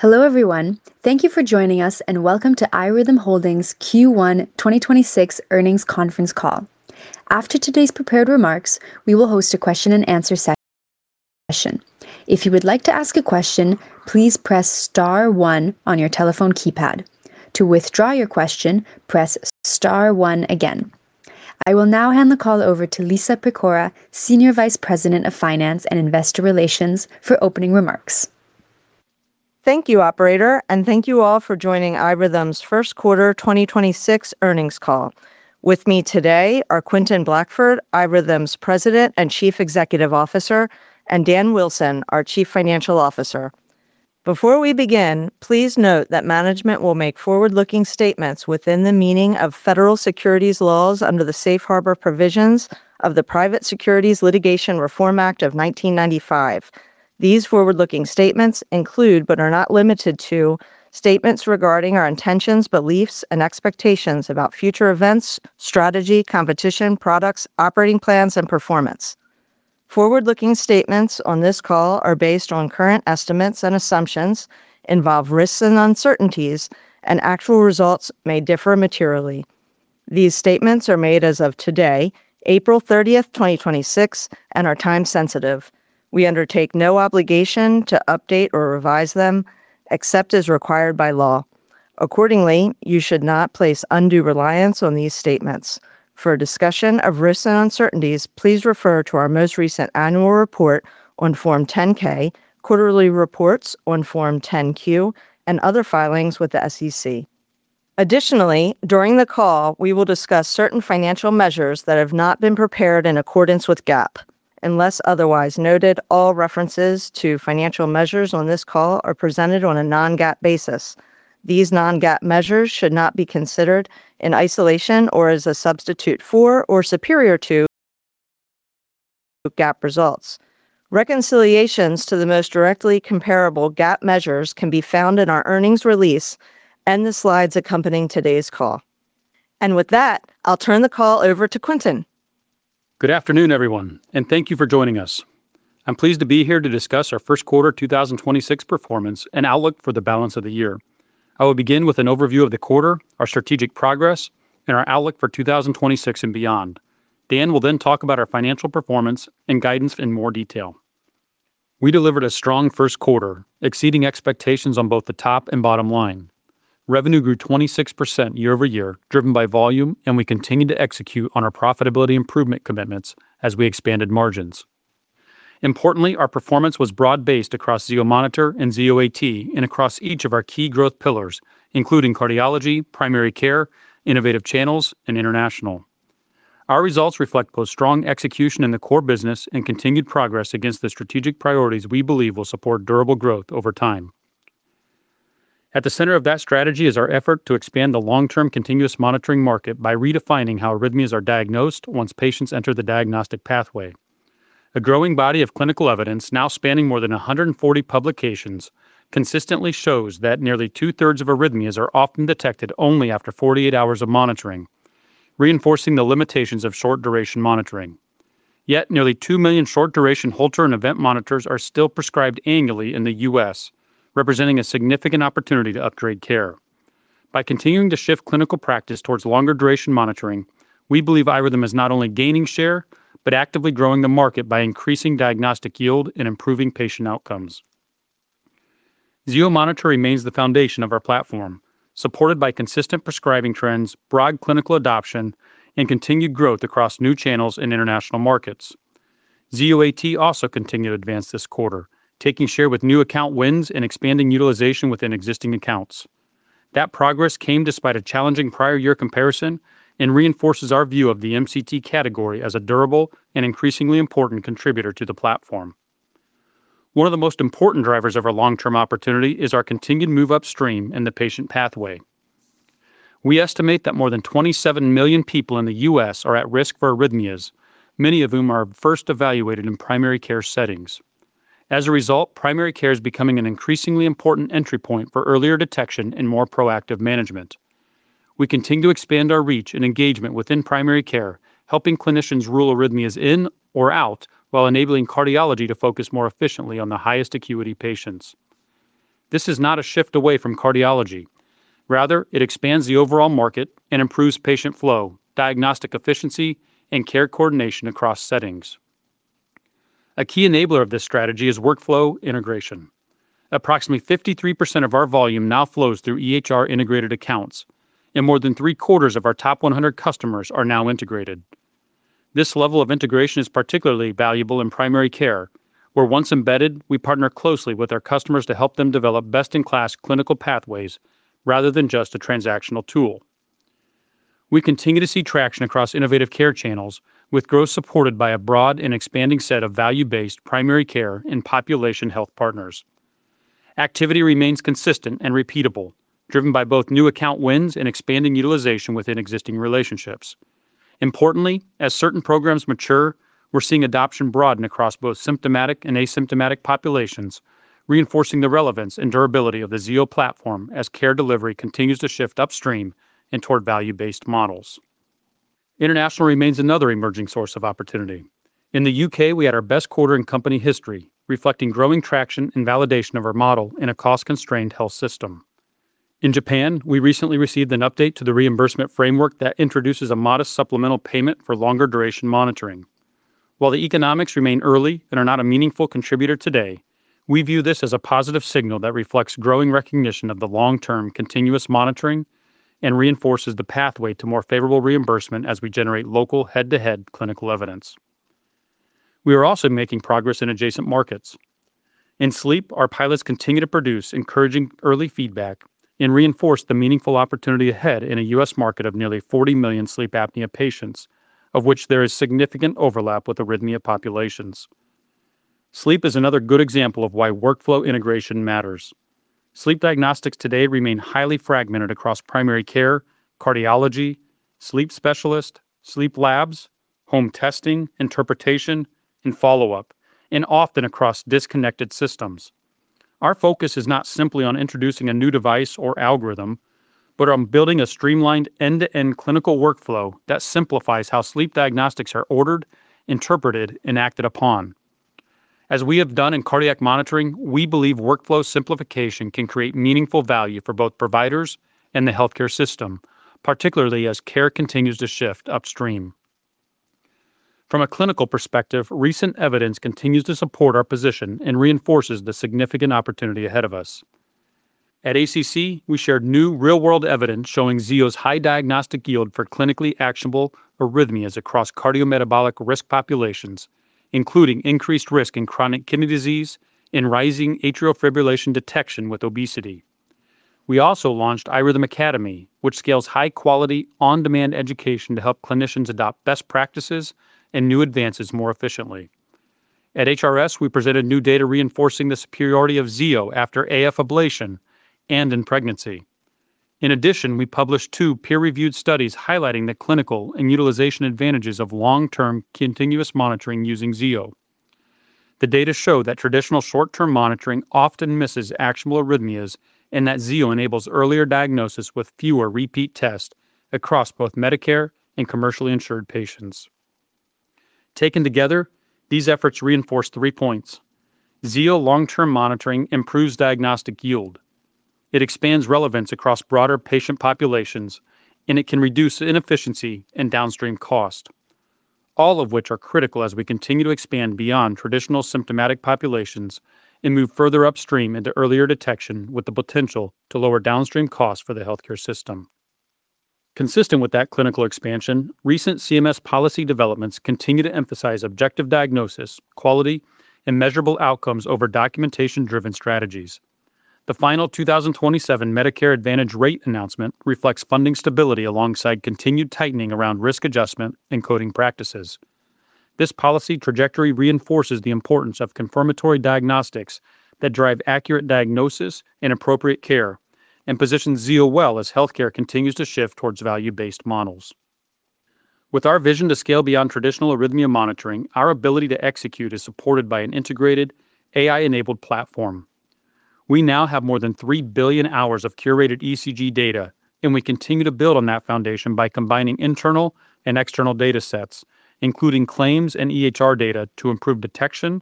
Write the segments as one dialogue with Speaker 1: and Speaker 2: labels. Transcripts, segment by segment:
Speaker 1: Hello, everyone. Thank you for joining us and welcome to iRhythm Technologies Q1 2026 Earnings Conference Call. After today's prepared remarks, we will host a question and answer session. I will now hand the call over to Lisa Pecora, Senior Vice President of Finance and Investor Relations, for opening remarks.
Speaker 2: Thank you, operator, and thank you all for joining iRhythm's first quarter 2026 earnings call. With me today are Quentin Blackford, iRhythm's President and Chief Executive Officer, and Daniel Wilson, our Chief Financial Officer. Before we begin, please note that management will make forward-looking statements within the meaning of federal securities laws under the safe harbor provisions of the Private Securities Litigation Reform Act of 1995. These forward-looking statements include, but are not limited to, statements regarding our intentions, beliefs, and expectations about future events, strategy, competition, products, operating plans, and performance. Forward-looking statements on this call are based on current estimates and assumptions, involve risks and uncertainties, and actual results may differ materially. These statements are made as of today, April 30, 2026, and are time sensitive. We undertake no obligation to update or revise them except as required by law. Accordingly, you should not place undue reliance on these statements. For a discussion of risks and uncertainties, please refer to our most recent annual report on Form 10-K, quarterly reports on Form 10-Q, and other filings with the SEC. Additionally, during the call, we will discuss certain financial measures that have not been prepared in accordance with GAAP. Unless otherwise noted, all references to financial measures on this call are presented on a non-GAAP basis. These non-GAAP measures should not be considered in isolation or as a substitute for or superior to GAAP results. Reconciliations to the most directly comparable GAAP measures can be found in our earnings release and the slides accompanying today's call. With that, I'll turn the call over to Quentin.
Speaker 3: Good afternoon, everyone, and thank you for joining us. I'm pleased to be here to discuss our first quarter 2026 performance and outlook for the balance of the year. I will begin with an overview of the quarter, our strategic progress, and our outlook for 2026 and beyond. Dan will then talk about our financial performance and guidance in more detail. We delivered a strong first quarter, exceeding expectations on both the top and bottom line. Revenue grew 26% year-over-year, driven by volume, and we continued to execute on our profitability improvement commitments as we expanded margins. Importantly, our performance was broad-based across Zio monitor and Zio AT and across each of our key growth pillars, including cardiology, primary care, innovative channels, and international. Our results reflect both strong execution in the core business and continued progress against the strategic priorities we believe will support durable growth over time. At the center of that strategy is our effort to expand the long-term continuous monitoring market by redefining how arrhythmias are diagnosed once patients enter the diagnostic pathway. A growing body of clinical evidence, now spanning more than 140 publications, consistently shows that nearly 2/3 of arrhythmias are often detected only after 48 hours of monitoring, reinforcing the limitations of short-duration monitoring. Yet nearly 2 million short-duration Holter and event monitors are still prescribed annually in the U.S., representing a significant opportunity to upgrade care. By continuing to shift clinical practice towards longer-duration monitoring, we believe iRhythm is not only gaining share, but actively growing the market by increasing diagnostic yield and improving patient outcomes. Zio monitor remains the foundation of our platform, supported by consistent prescribing trends, broad clinical adoption, and continued growth across new channels and international markets. Zio AT also continued to advance this quarter, taking share with new account wins and expanding utilization within existing accounts. That progress came despite a challenging prior year comparison and reinforces our view of the MCT category as a durable and increasingly important contributor to the platform. One of the most important drivers of our long-term opportunity is our continued move upstream in the patient pathway. We estimate that more than 27 million people in the U.S. are at risk for arrhythmias, many of whom are first evaluated in primary care settings. As a result, primary care is becoming an increasingly important entry point for earlier detection and more proactive management. We continue to expand our reach and engagement within primary care, helping clinicians rule arrhythmias in or out while enabling cardiology to focus more efficiently on the highest acuity patients. This is not a shift away from cardiology. Rather, it expands the overall market and improves patient flow, diagnostic efficiency, and care coordination across settings. A key enabler of this strategy is workflow integration. Approximately 53% of our volume now flows through EHR-integrated accounts, and more than three-quarters of our top 100 customers are now integrated. This level of integration is particularly valuable in primary care, where once embedded, we partner closely with our customers to help them develop best-in-class clinical pathways rather than just a transactional tool. We continue to see traction across innovative care channels with growth supported by a broad and expanding set of value-based primary care and population health partners. Activity remains consistent and repeatable, driven by both new account wins and expanding utilization within existing relationships. Importantly, as certain programs mature, we're seeing adoption broaden across both symptomatic and asymptomatic populations, reinforcing the relevance and durability of the Zio platform as care delivery continues to shift upstream and toward value-based models. International remains another emerging source of opportunity. In the U.K., we had our best quarter in company history, reflecting growing traction and validation of our model in a cost-constrained health system. In Japan, we recently received an update to the reimbursement framework that introduces a modest supplemental payment for longer-duration monitoring. While the economics remain early and are not a meaningful contributor today, we view this as a positive signal that reflects growing recognition of the long-term continuous monitoring and reinforces the pathway to more favorable reimbursement as we generate local head-to-head clinical evidence. We are also making progress in adjacent markets. In sleep, our pilots continue to produce encouraging early feedback and reinforce the meaningful opportunity ahead in a U.S. market of nearly 40 million sleep apnea patients, of which there is significant overlap with arrhythmia populations. Sleep is another good example of why workflow integration matters. Sleep diagnostics today remain highly fragmented across primary care, cardiology, sleep specialists, sleep labs, home testing, interpretation, and follow-up, and often across disconnected systems. Our focus is not simply on introducing a new device or algorithm, but on building a streamlined end-to-end clinical workflow that simplifies how sleep diagnostics are ordered, interpreted, and acted upon. As we have done in cardiac monitoring, we believe workflow simplification can create meaningful value for both providers and the healthcare system, particularly as care continues to shift upstream. From a clinical perspective, recent evidence continues to support our position and reinforces the significant opportunity ahead of us. At ACC, we shared new real-world evidence showing Zio's high diagnostic yield for clinically actionable arrhythmias across cardiometabolic risk populations, including increased risk in chronic kidney disease and rising atrial fibrillation detection with obesity. We also launched iRhythm Academy, which scales high-quality, on-demand education to help clinicians adopt best practices and new advances more efficiently. At HRS, we presented new data reinforcing the superiority of Zio after AF ablation and in pregnancy. In addition, we published two peer-reviewed studies highlighting the clinical and utilization advantages of long-term continuous monitoring using Zio. The data show that traditional short-term monitoring often misses actionable arrhythmias and that Zio enables earlier diagnosis with fewer repeat tests across both Medicare and commercially insured patients. Taken together, these efforts reinforce three points. Zio long-term monitoring improves diagnostic yield. It expands relevance across broader patient populations, and it can reduce inefficiency and downstream cost, all of which are critical as we continue to expand beyond traditional symptomatic populations and move further upstream into earlier detection with the potential to lower downstream costs for the healthcare system. Consistent with that clinical expansion, recent CMS policy developments continue to emphasize objective diagnosis, quality, and measurable outcomes over documentation-driven strategies. The final 2027 Medicare Advantage rate announcement reflects funding stability alongside continued tightening around risk adjustment and coding practices. This policy trajectory reinforces the importance of confirmatory diagnostics that drive accurate diagnosis and appropriate care and positions Zio well as healthcare continues to shift towards value-based models. With our vision to scale beyond traditional arrhythmia monitoring, our ability to execute is supported by an integrated AI-enabled platform. We now have more than 3 billion hours of curated ECG data, and we continue to build on that foundation by combining internal and external data sets, including claims and EHR data to improve detection,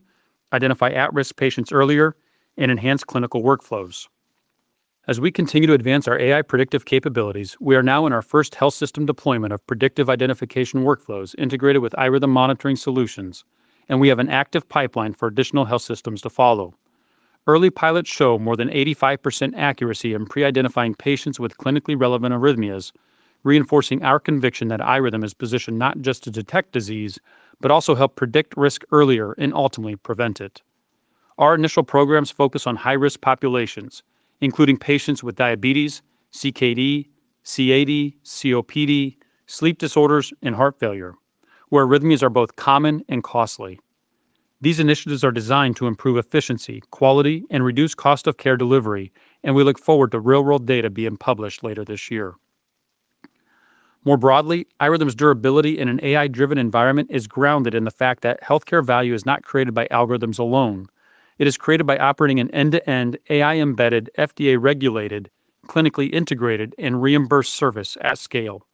Speaker 3: identify at-risk patients earlier, and enhance clinical workflows. As we continue to advance our AI predictive capabilities, we are now in our first health system deployment of predictive identification workflows integrated with iRhythm monitoring solutions, and we have an active pipeline for additional health systems to follow. Early pilots show more than 85% accuracy in pre-identifying patients with clinically relevant arrhythmias, reinforcing our conviction that iRhythm is positioned not just to detect disease, but also help predict risk earlier and ultimately prevent it. Our initial programs focus on high-risk populations, including patients with diabetes, CKD, CAD, COPD, sleep disorders, and heart failure, where arrhythmias are both common and costly. These initiatives are designed to improve efficiency, quality, and reduce cost of care delivery, and we look forward to real-world data being published later this year. More broadly, iRhythm's durability in an AI-driven environment is grounded in the fact that healthcare value is not created by algorithms alone. It is created by operating an end-to-end, AI-embedded, FDA-regulated, clinically integrated, and reimbursed service at scale.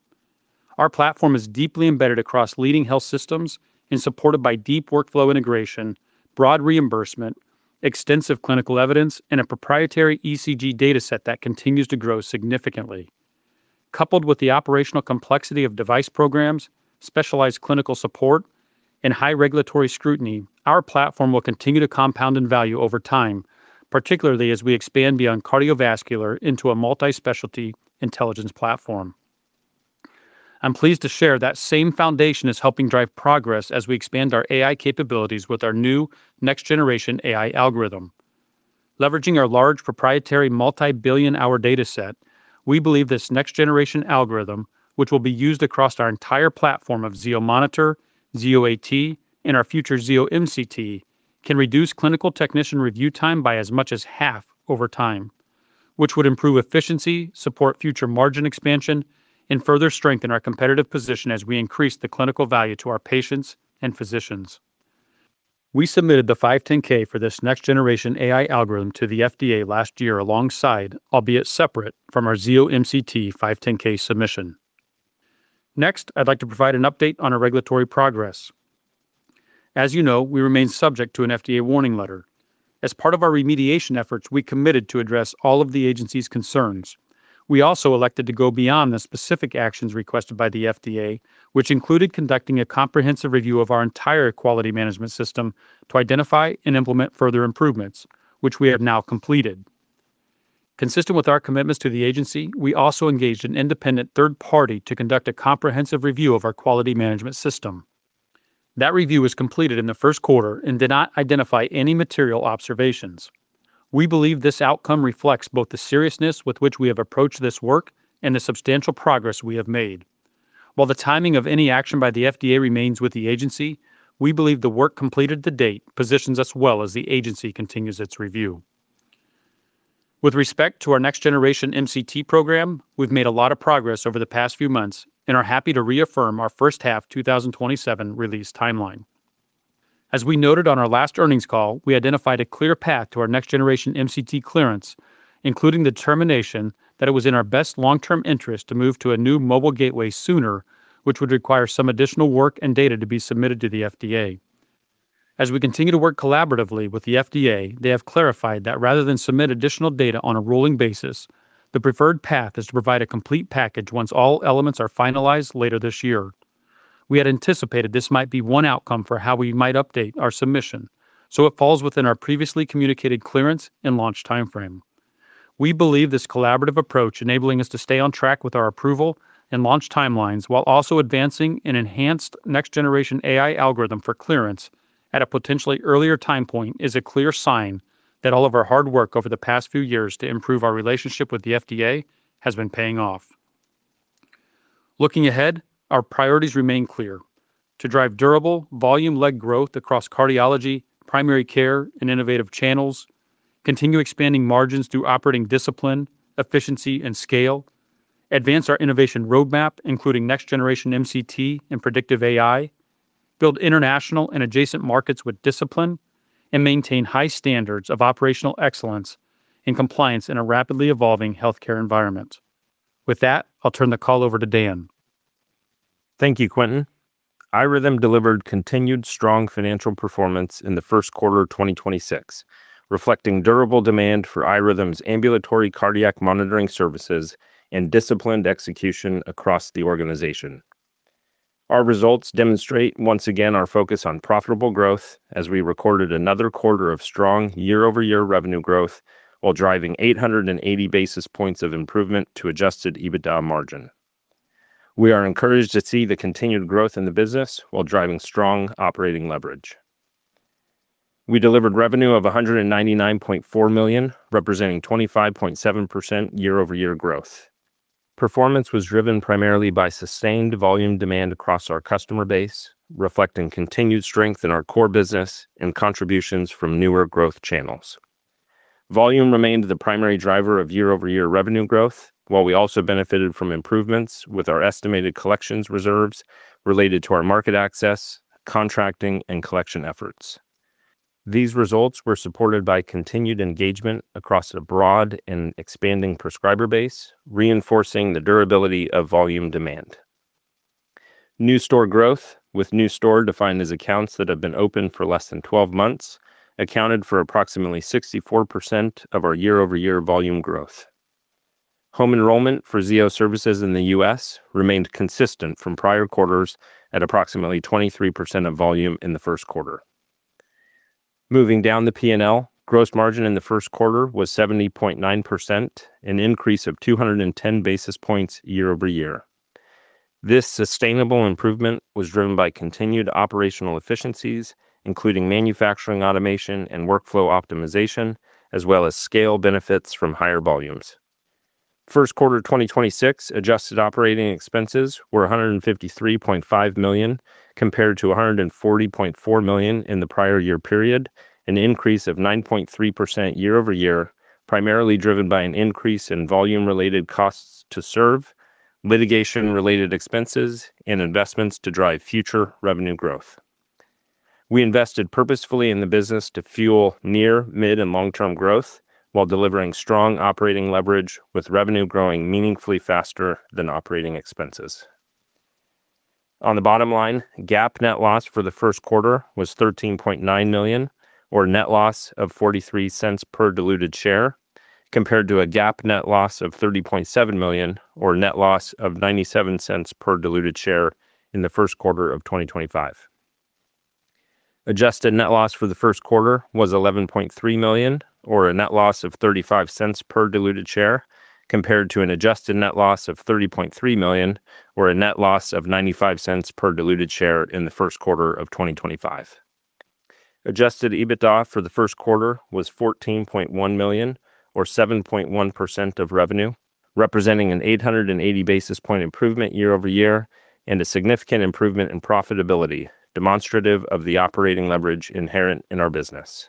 Speaker 3: Our platform is deeply embedded across leading health systems and supported by deep workflow integration, broad reimbursement, extensive clinical evidence, and a proprietary ECG data set that continues to grow significantly. Coupled with the operational complexity of device programs, specialized clinical support, and high regulatory scrutiny, our platform will continue to compound in value over time, particularly as we expand beyond cardiovascular into a multi-specialty intelligence platform. I'm pleased to share that same foundation is helping drive progress as we expand our AI capabilities with our new next-generation AI algorithm. Leveraging our large proprietary multi-billion-hour data set, we believe this next-generation algorithm, which will be used across our entire platform of Zio monitor, Zio AT, and our future Zio MCT, can reduce clinical technician review time by as much as half over time, which would improve efficiency, support future margin expansion, and further strengthen our competitive position as we increase the clinical value to our patients and physicians. We submitted the 510K for this next-generation AI algorithm to the FDA last year alongside, albeit separate from our Zio MCT 510K submission. I'd like to provide an update on our regulatory progress. As you know, we remain subject to an FDA warning letter. As part of our remediation efforts, we committed to address all of the agency's concerns. We also elected to go beyond the specific actions requested by the FDA, which included conducting a comprehensive review of our entire quality management system to identify and implement further improvements, which we have now completed. Consistent with our commitments to the agency, we also engaged an independent third party to conduct a comprehensive review of our quality management system. That review was completed in the first quarter and did not identify any material observations. We believe this outcome reflects both the seriousness with which we have approached this work and the substantial progress we have made. While the timing of any action by the FDA remains with the agency, we believe the work completed to date positions us well as the agency continues its review. With respect to our next-generation MCT program, we've made a lot of progress over the past few months and are happy to reaffirm our first-half 2027 release timeline. As we noted on our last earnings call, we identified a clear path to our next-generation MCT clearance, including the determination that it was in our best long-term interest to move to a new mobile gateway sooner, which would require some additional work and data to be submitted to the FDA. As we continue to work collaboratively with the FDA, they have clarified that rather than submit additional data on a rolling basis, the preferred path is to provide a complete package once all elements are finalized later this year. We had anticipated this might be one outcome for how we might update our submission, so it falls within our previously communicated clearance and launch timeframe. We believe this collaborative approach enabling us to stay on track with our approval and launch timelines while also advancing an enhanced next-generation AI algorithm for clearance at a potentially earlier time point is a clear sign that all of our hard work over the past few years to improve our relationship with the FDA has been paying off. Looking ahead, our priorities remain clear. To drive durable, volume-led growth across cardiology, primary care, and innovative channels, continue expanding margins through operating discipline, efficiency, and scale, advance our innovation roadmap, including next-generation MCT and predictive AI, build international and adjacent markets with discipline, and maintain high standards of operational excellence and compliance in a rapidly evolving healthcare environment. With that, I'll turn the call over to Dan.
Speaker 4: Thank you, Quentin. iRhythm delivered continued strong financial performance in the first quarter of 2026, reflecting durable demand for iRhythm's ambulatory cardiac monitoring services and disciplined execution across the organization. Our results demonstrate once again our focus on profitable growth as we recorded another quarter of strong year-over-year revenue growth while driving 880 basis points of improvement to adjusted EBITDA margin. We are encouraged to see the continued growth in the business while driving strong operating leverage. We delivered revenue of $199.4 million, representing 25.7% year-over-year growth. Performance was driven primarily by sustained volume demand across our customer base, reflecting continued strength in our core business and contributions from newer growth channels. Volume remained the primary driver of year-over-year revenue growth, while we also benefited from improvements with our estimated collections reserves related to our market access, contracting, and collection efforts. These results were supported by continued engagement across a broad and expanding prescriber base, reinforcing the durability of volume demand. New store growth, with new store defined as accounts that have been open for less than 12 months, accounted for approximately 64% of our year-over-year volume growth. Home enrollment for Zio services in the U.S. remained consistent from prior quarters at approximately 23% of volume in the first quarter. Moving down the P&L, gross margin in the first quarter was 70.9%, an increase of 210 basis points year over year. This sustainable improvement was driven by continued operational efficiencies, including manufacturing automation and workflow optimization, as well as scale benefits from higher volumes. First quarter 2026 adjusted operating expenses were $153.5 million compared to $140.4 million in the prior year period, an increase of 9.3% year-over-year, primarily driven by an increase in volume-related costs to serve, litigation-related expenses, and investments to drive future revenue growth. We invested purposefully in the business to fuel near, mid, and long-term growth while delivering strong operating leverage with revenue growing meaningfully faster than operating expenses. On the bottom line, GAAP net loss for the first quarter was $13.9 million, or net loss of $0.43 per diluted share, compared to a GAAP net loss of $30.7 million, or net loss of $0.97 per diluted share in the first quarter of 2025. Adjusted net loss for the first quarter was $11.3 million, or a net loss of $0.35 per diluted share, compared to an adjusted net loss of $30.3 million, or a net loss of $0.95 per diluted share in the first quarter of 2025. Adjusted EBITDA for the first quarter was $14.1 million, or 7.1% of revenue, representing an 880 basis point improvement year-over-year and a significant improvement in profitability, demonstrative of the operating leverage inherent in our business.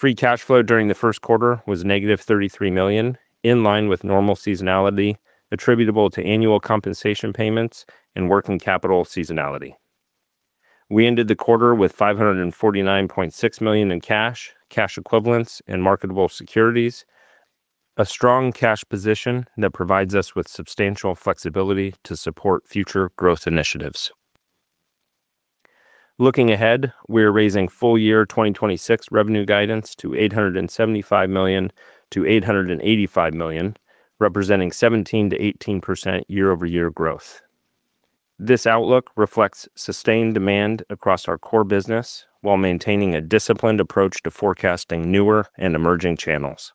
Speaker 4: Free cash flow during the first quarter was negative $33 million, in line with normal seasonality attributable to annual compensation payments and working capital seasonality. We ended the quarter with $549.6 million in cash equivalents, and marketable securities, a strong cash position that provides us with substantial flexibility to support future growth initiatives. Looking ahead, we're raising full year 2026 revenue guidance to $875 million-$885 million, representing 17%-18% year-over-year growth. This outlook reflects sustained demand across our core business while maintaining a disciplined approach to forecasting newer and emerging channels.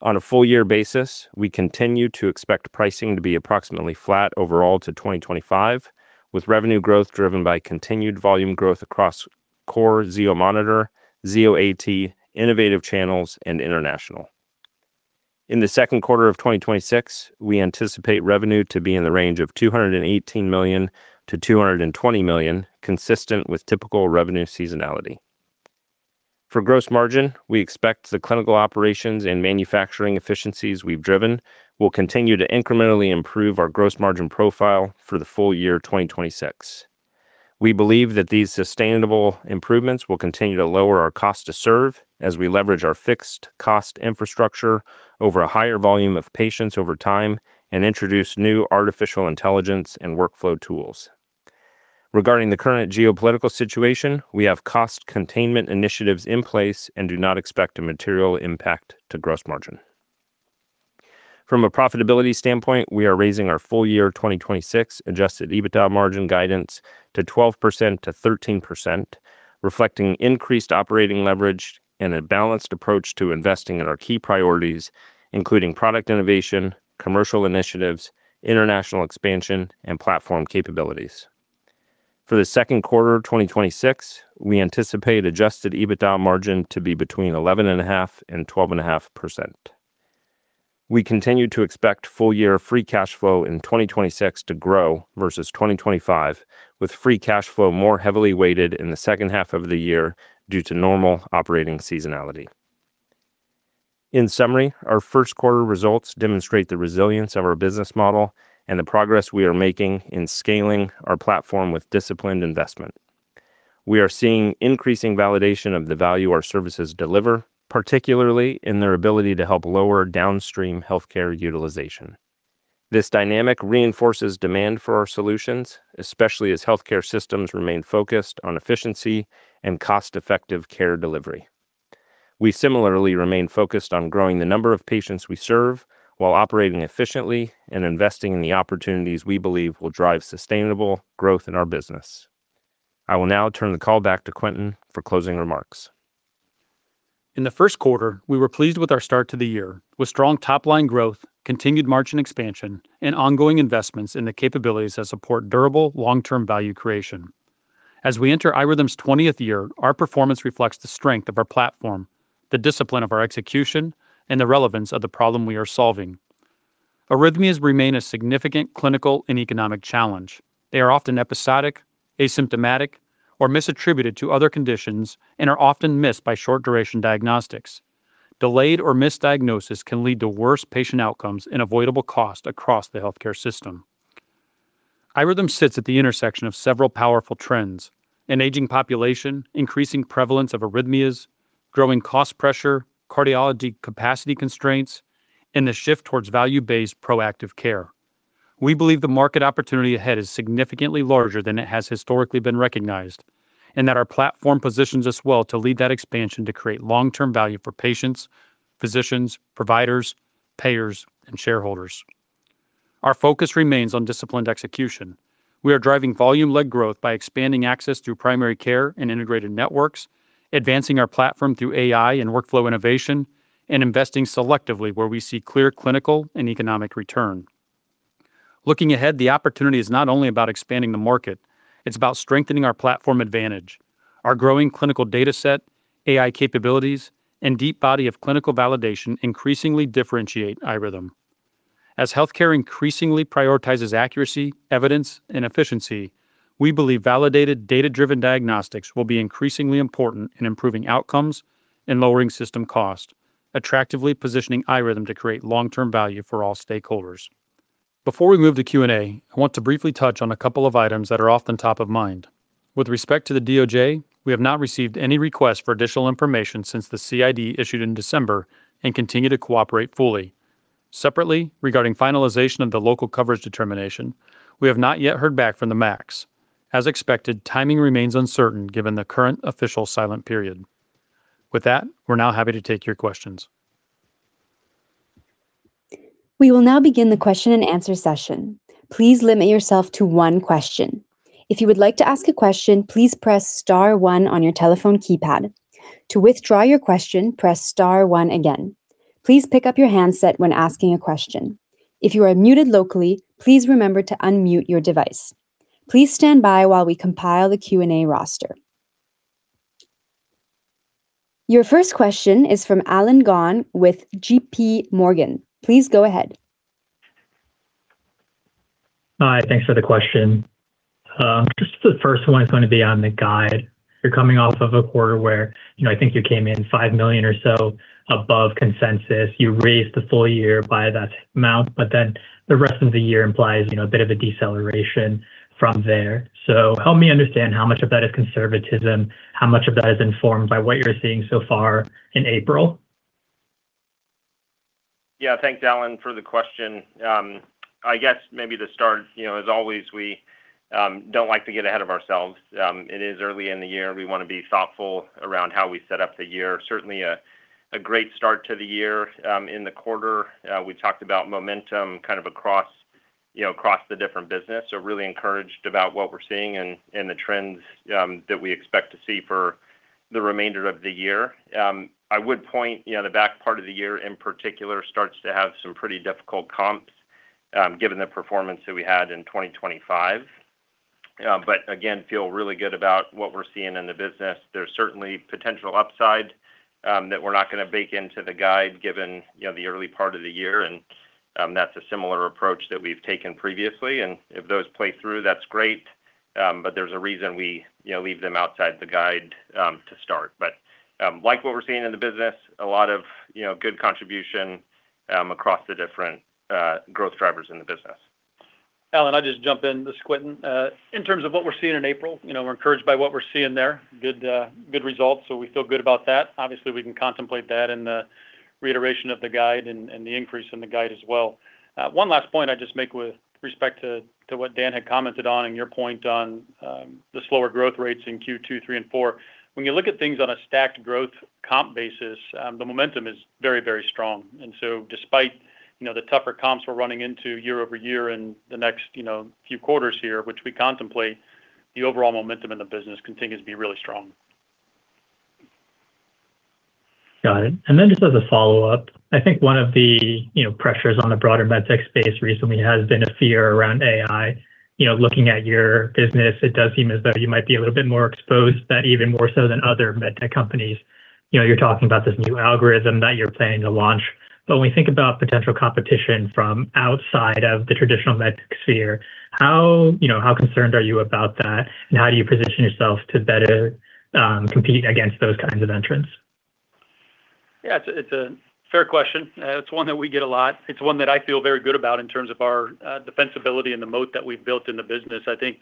Speaker 4: On a full-year basis, we continue to expect pricing to be approximately flat overall to 2025, with revenue growth driven by continued volume growth across core Zio monitor, Zio AT, innovative channels, and international. In the second quarter of 2026, we anticipate revenue to be in the range of $218 million-$220 million, consistent with typical revenue seasonality. For gross margin, we expect the clinical operations and manufacturing efficiencies we've driven will continue to incrementally improve our gross margin profile for the full-year 2026. We believe that these sustainable improvements will continue to lower our cost to serve as we leverage our fixed cost infrastructure over a higher volume of patients over time and introduce new artificial intelligence and workflow tools. Regarding the current geopolitical situation, we have cost containment initiatives in place and do not expect a material impact to gross margin. From a profitability standpoint, we are raising our full-year 2026 Adjusted EBITDA margin guidance to 12%-13%, reflecting increased operating leverage and a balanced approach to investing in our key priorities, including product innovation, commercial initiatives, international expansion, and platform capabilities. For the second quarter 2026, we anticipate Adjusted EBITDA margin to be between 11.5% and 12.5%. We continue to expect full-year free cash flow in 2026 to grow versus 2025, with free cash flow more heavily weighted in the second half of the year due to normal operating seasonality. In summary, our first quarter results demonstrate the resilience of our business model and the progress we are making in scaling our platform with disciplined investment. We are seeing increasing validation of the value our services deliver, particularly in their ability to help lower downstream healthcare utilization. This dynamic reinforces demand for our solutions, especially as healthcare systems remain focused on efficiency and cost-effective care delivery. We similarly remain focused on growing the number of patients we serve while operating efficiently and investing in the opportunities we believe will drive sustainable growth in our business. I will now turn the call back to Quentin for closing remarks.
Speaker 3: In the first quarter, we were pleased with our start to the year with strong top-line growth, continued margin expansion, and ongoing investments in the capabilities that support durable long-term value creation. As we enter iRhythm's 20th year, our performance reflects the strength of our platform, the discipline of our execution, and the relevance of the problem we are solving. Arrhythmias remain a significant clinical and economic challenge. They are often episodic, asymptomatic, or misattributed to other conditions and are often missed by short-duration diagnostics. Delayed or misdiagnosis can lead to worse patient outcomes and avoidable cost across the healthcare system. iRhythm sits at the intersection of several powerful trends. An aging population, increasing prevalence of arrhythmias, growing cost pressure, cardiology capacity constraints, and the shift towards value-based proactive care. We believe the market opportunity ahead is significantly larger than it has historically been recognized and that our platform positions us well to lead that expansion to create long-term value for patients, physicians, providers, payers, and shareholders. Our focus remains on disciplined execution. We are driving volume-led growth by expanding access through primary care and integrated networks, advancing our platform through AI and workflow innovation, and investing selectively where we see clear clinical and economic return. Looking ahead, the opportunity is not only about expanding the market, it's about strengthening our platform advantage. Our growing clinical data set, AI capabilities, and deep body of clinical validation increasingly differentiate iRhythm. As healthcare increasingly prioritizes accuracy, evidence, and efficiency, we believe validated data-driven diagnostics will be increasingly important in improving outcomes and lowering system cost, attractively positioning iRhythm to create long-term value for all stakeholders. Before we move to Q&A, I want to briefly touch on a couple of items that are often top of mind. With respect to the DOJ, we have not received any request for additional information since the CID issued in December and continue to cooperate fully. Separately, regarding finalization of the local coverage determination, we have not yet heard back from the MACs. As expected, timing remains uncertain given the current official silent period. With that, we're now happy to take your questions.
Speaker 1: We will now begin the question and answer session. Please limit yourself to one question. If you would like to ask a question, please press star one on your telephone keypad. To withdraw your question, press star one again. Please pick up your handset when asking a question. If you are muted locally, please remember to unmute your device. Please stand by while we compile the Q&A roster. Your first question is from Allen Gong with JPMorgan. Please go ahead.
Speaker 5: Hi, thanks for the question. Just the first one is going to be on the guide. You're coming off of a quarter where, you know, I think you came in $5 million or so above consensus. You raised the full year by that amount, but then the rest of the year implies, you know, a bit of a deceleration from there. Help me understand how much of that is conservatism, how much of that is informed by what you're seeing so far in April?
Speaker 4: Yeah. Thanks, Allen, for the question. I guess maybe to start, you know, as always, we don't like to get ahead of ourselves. It is early in the year. We want to be thoughtful around how we set up the year. Certainly a great start to the year. In the quarter, we talked about momentum kind of across, you know, across the different business. Really encouraged about what we're seeing and the trends that we expect to see for the remainder of the year. I would point, you know, the back part of the year in particular starts to have some pretty difficult comps, given the performance that we had in 2025. Again, feel really good about what we're seeing in the business. There's certainly potential upside that we're not gonna bake into the guide given, you know, the early part of the year. That's a similar approach that we've taken previously. If those play through, that's great. There's a reason we, you know, leave them outside the guide to start. Like what we're seeing in the business, a lot of, you know, good contribution across the different growth drivers in the business.
Speaker 3: Allen, I'll just jump in. This is Quentin. In terms of what we're seeing in April, you know, we're encouraged by what we're seeing there. Good results. We feel good about that. Obviously, we can contemplate that in the reiteration of the guide and the increase in the guide as well. One last point I'd just make with respect to what Dan had commented on and your point on the slower growth rates in Q2, Q3, and Q4. When you look at things on a stacked growth comp basis, the momentum is very, very strong. Despite, you know, the tougher comps we're running into year-over-year in the next, you know, few quarters here, which we contemplate, the overall momentum in the business continues to be really strong.
Speaker 5: Got it. Just as a follow-up, I think one of the, you know, pressures on the broader med tech space recently has been a fear around AI. You know, looking at your business, it does seem as though you might be a little bit more exposed, but even more so than other med tech companies. You know, you're talking about this new algorithm that you're planning to launch. When we think about potential competition from outside of the traditional med tech sphere, how, you know, how concerned are you about that, and how do you position yourself to better compete against those kinds of entrants?
Speaker 3: Yeah, it's a fair question. It's one that we get a lot. It's one that I feel very good about in terms of our defensibility and the moat that we've built in the business. I think,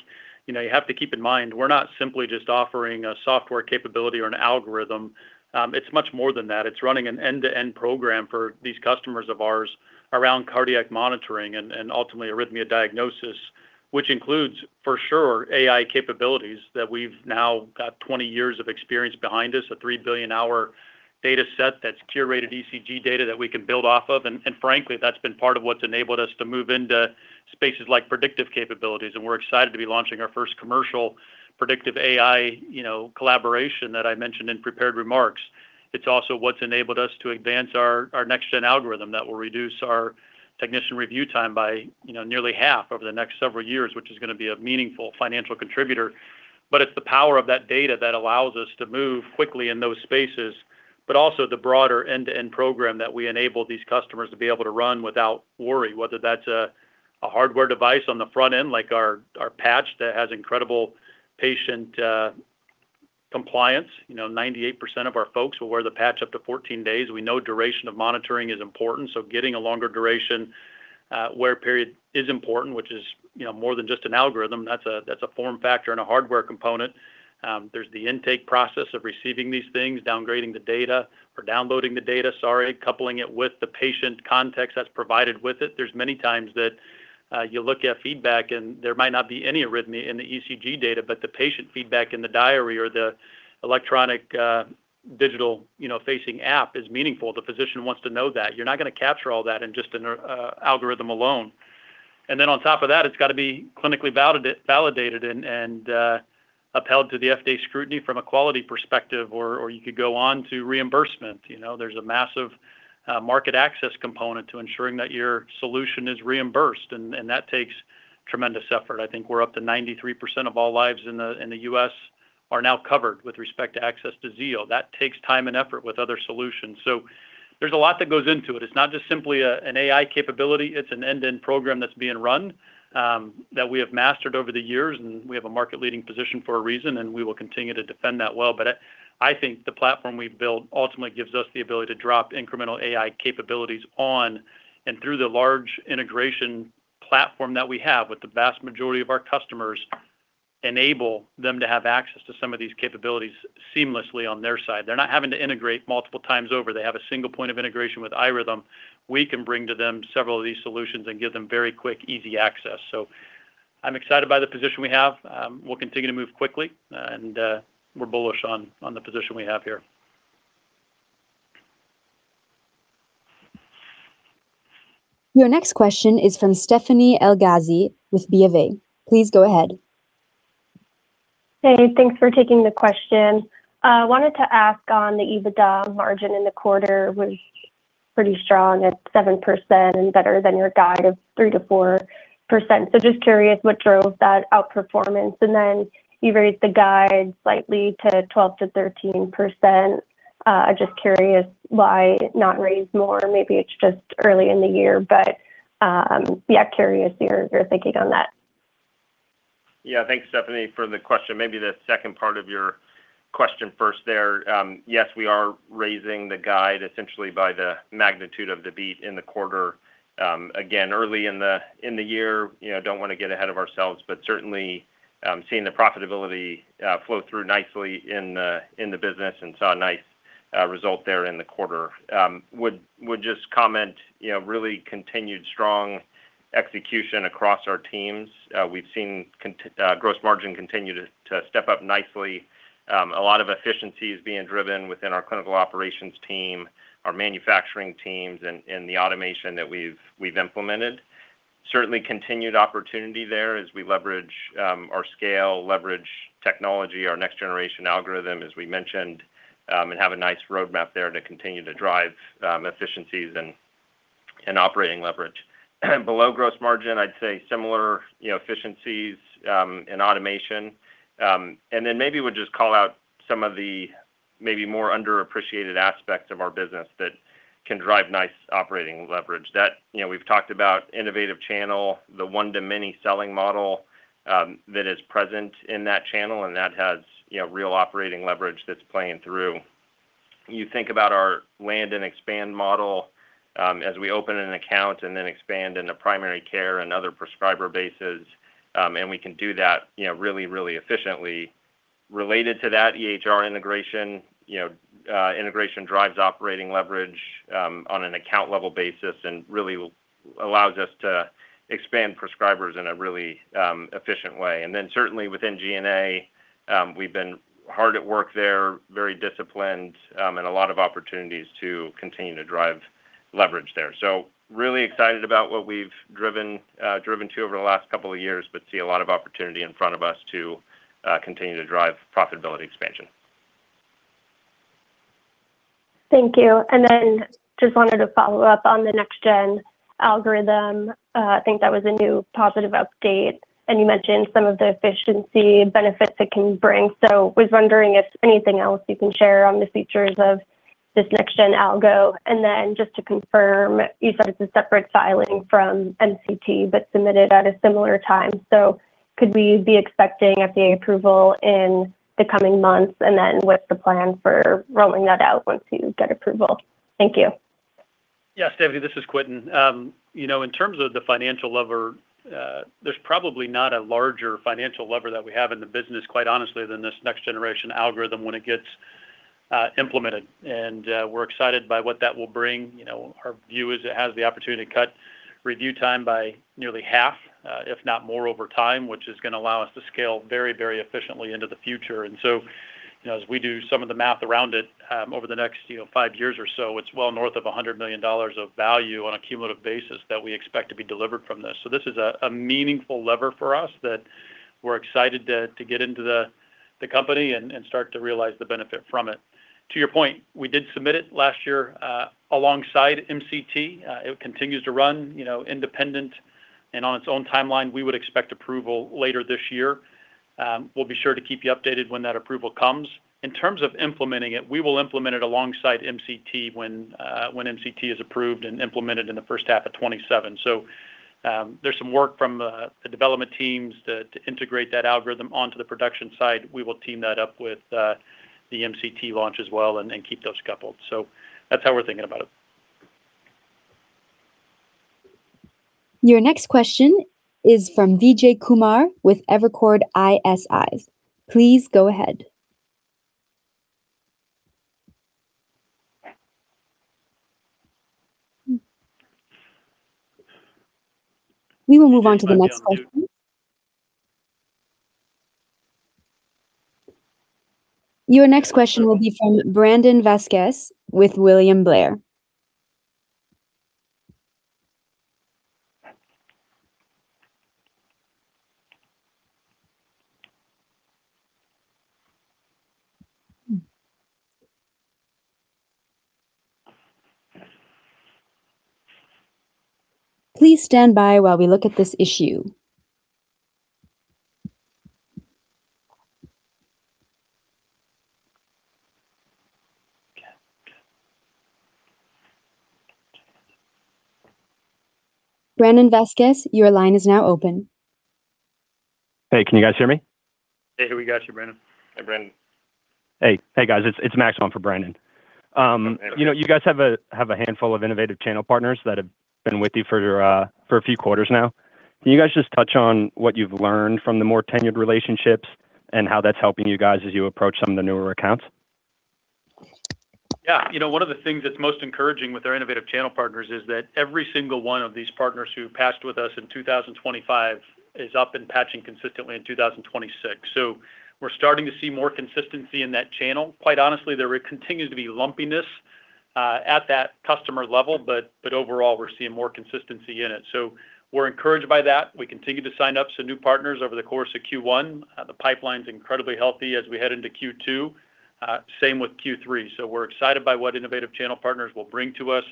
Speaker 3: you know, you have to keep in mind, we're not simply just offering a software capability or an algorithm. It's much more than that. It's running an end-to-end program for these customers of ours around cardiac monitoring and ultimately arrhythmia diagnosis, which includes, for sure, AI capabilities that we've now got 20 years of experience behind us, a 3 billion hour data set that's curated ECG data that we can build off of. Frankly, that's been part of what's enabled us to move into spaces like predictive capabilities, and we're excited to be launching our first commercial predictive AI, you know, collaboration that I mentioned in prepared remarks. It's also what's enabled us to advance our next gen algorithm that will reduce our technician review time by, you know, nearly half over the next several years, which is gonna be a meaningful financial contributor. It's the power of that data that allows us to move quickly in those spaces, but also the broader end-to-end program that we enable these customers to be able to run without worry, whether that's a hardware device on the front end like our patch that has incredible patient compliance. You know, 98% of our folks will wear the patch up to 14 days. We know duration of monitoring is important, so getting a longer duration wear period is important, which is, you know, more than just an algorithm. That's a, that's a form factor and a hardware component. There's the intake process of receiving these things, downgrading the data or downloading the data, sorry, coupling it with the patient context that's provided with it. There's many times that you look at feedback and there might not be any arrhythmia in the ECG data, but the patient feedback in the diary or the electronic digital, you know, facing app is meaningful. The physician wants to know that. You're not gonna capture all that in just an algorithm alone. Then on top of that, it's got to be clinically validated and upheld to the FDA scrutiny from a quality perspective or you could go on to reimbursement. You know, there's a massive market access component to ensuring that your solution is reimbursed and that takes tremendous effort. I think we're up to 93% of all lives in the U.S. are now covered with respect to access to Zio. That takes time and effort with other solutions. There's a lot that goes into it. It's not just simply an AI capability, it's an end-to-end program that's being run, that we have mastered over the years, and we have a market-leading position for a reason, and we will continue to defend that well. I think the platform we've built ultimately gives us the ability to drop incremental AI capabilities on and through the large integration platform that we have with the vast majority of our customers, enable them to have access to some of these capabilities seamlessly on their side. They're not having to integrate multiple times over. They have a single point of integration with iRhythm. We can bring to them several of these solutions and give them very quick, easy access. I'm excited by the position we have. We'll continue to move quickly and we're bullish on the position we have here.
Speaker 1: Your next question is from Stephanie Elghazi with BofA. Please go ahead.
Speaker 6: Hey, thanks for taking the question. Wanted to ask on the EBITDA margin in the quarter was pretty strong at 7% and better than your guide of 3%-4%. Just curious what drove that outperformance. You raised the guide slightly to 12%-13%. Just curious why not raise more. Maybe it's just early in the year, curious your thinking on that.
Speaker 4: Thanks, Stephanie, for the question. Maybe the second part of your question first there. Yes, we are raising the guide essentially by the magnitude of the beat in the quarter. Again, early in the year, you know, don't wanna get ahead of ourselves, but certainly seeing the profitability flow through nicely in the business and saw a nice result there in the quarter. Would just comment, you know, really continued strong execution across our teams. We've seen gross margin continue to step up nicely. A lot of efficiencies being driven within our clinical operations team, our manufacturing teams, and the automation that we've implemented. Certainly continued opportunity there as we leverage our scale, leverage technology, our next generation algorithm, as we mentioned, and have a nice roadmap there to continue to drive efficiencies and operating leverage. Below gross margin, I'd say similar, you know, efficiencies and automation. Then maybe would just call out some of the maybe more underappreciated aspects of our business that can drive nice operating leverage. You know, we've talked about innovative channel, the one-to-many selling model, that is present in that channel, and that has, you know, real operating leverage that's playing through. You think about our land and expand model, as we open an account and then expand in the primary care and other prescriber bases, and we can do that, you know, really, really efficiently. Related to that EHR integration, you know, integration drives operating leverage on an account level basis and really allows us to expand prescribers in a really efficient way. Certainly within G&A, we've been hard at work there, very disciplined, and a lot of opportunities to continue to drive leverage there. Really excited about what we've driven to over the last couple of years, but see a lot of opportunity in front of us to continue to drive profitability expansion.
Speaker 6: Thank you. Just wanted to follow up on the next gen algorithm. I think that was a new positive update, you mentioned some of the efficiency benefits it can bring. Was wondering if anything else you can share on the features of this next gen algo. Just to confirm, you said it's a separate filing from MCT, submitted at a similar time. Could we be expecting FDA approval in the coming months? What's the plan for rolling that out once you get approval? Thank you.
Speaker 3: Yeah, Stephanie, this is Quentin. You know, in terms of the financial lever, there's probably not a larger financial lever that we have in the business, quite honestly, than this next generation algorithm when it gets implemented. We're excited by what that will bring. You know, our view is it has the opportunity to cut review time by nearly half, if not more over time, which is gonna allow us to scale very, very efficiently into the future. You know, as we do some of the math around it, over the next, you know, five years or so, it's well north of $100 million of value on a cumulative basis that we expect to be delivered from this. This is a meaningful lever for us that we're excited to get into the company and start to realize the benefit from it. To your point, we did submit it last year alongside MCT. It continues to run, you know, independent and on its own timeline. We would expect approval later this year. We'll be sure to keep you updated when that approval comes. In terms of implementing it, we will implement it alongside MCT when MCT is approved and implemented in the first half of 2027. There's some work from the development teams to integrate that algorithm onto the production side. We will team that up with the MCT launch as well and keep those coupled. That's how we're thinking about it.
Speaker 1: Your next question is from Vijay Kumar with Evercore ISI. Please go ahead. We will move on to the next question. Your next question will be from Brandon Vazquez with William Blair. Please stand by while we look at this issue. Brandon Vazquez, your line is now open.
Speaker 7: Hey, can you guys hear me?
Speaker 4: Yeah, we got you, Brandon.
Speaker 3: Hey, Brandon.
Speaker 7: Hey, guys. It's Max on for Brandon. You know, you guys have a handful of innovative channel partners that have been with you for a few quarters now. Can you guys just touch on what you've learned from the more tenured relationships and how that's helping you guys as you approach some of the newer accounts?
Speaker 3: You know, one of the things that's most encouraging with our innovative channel partners is that every single one of these partners who passed with us in 2025 is up and patching consistently in 2026. We're starting to see more consistency in that channel. Quite honestly, there continues to be lumpiness at that customer level, but overall, we're seeing more consistency in it. We're encouraged by that. We continue to sign up some new partners over the course of Q1. The pipeline's incredibly healthy as we head into Q2, same with Q3. We're excited by what innovative channel partners will bring to us.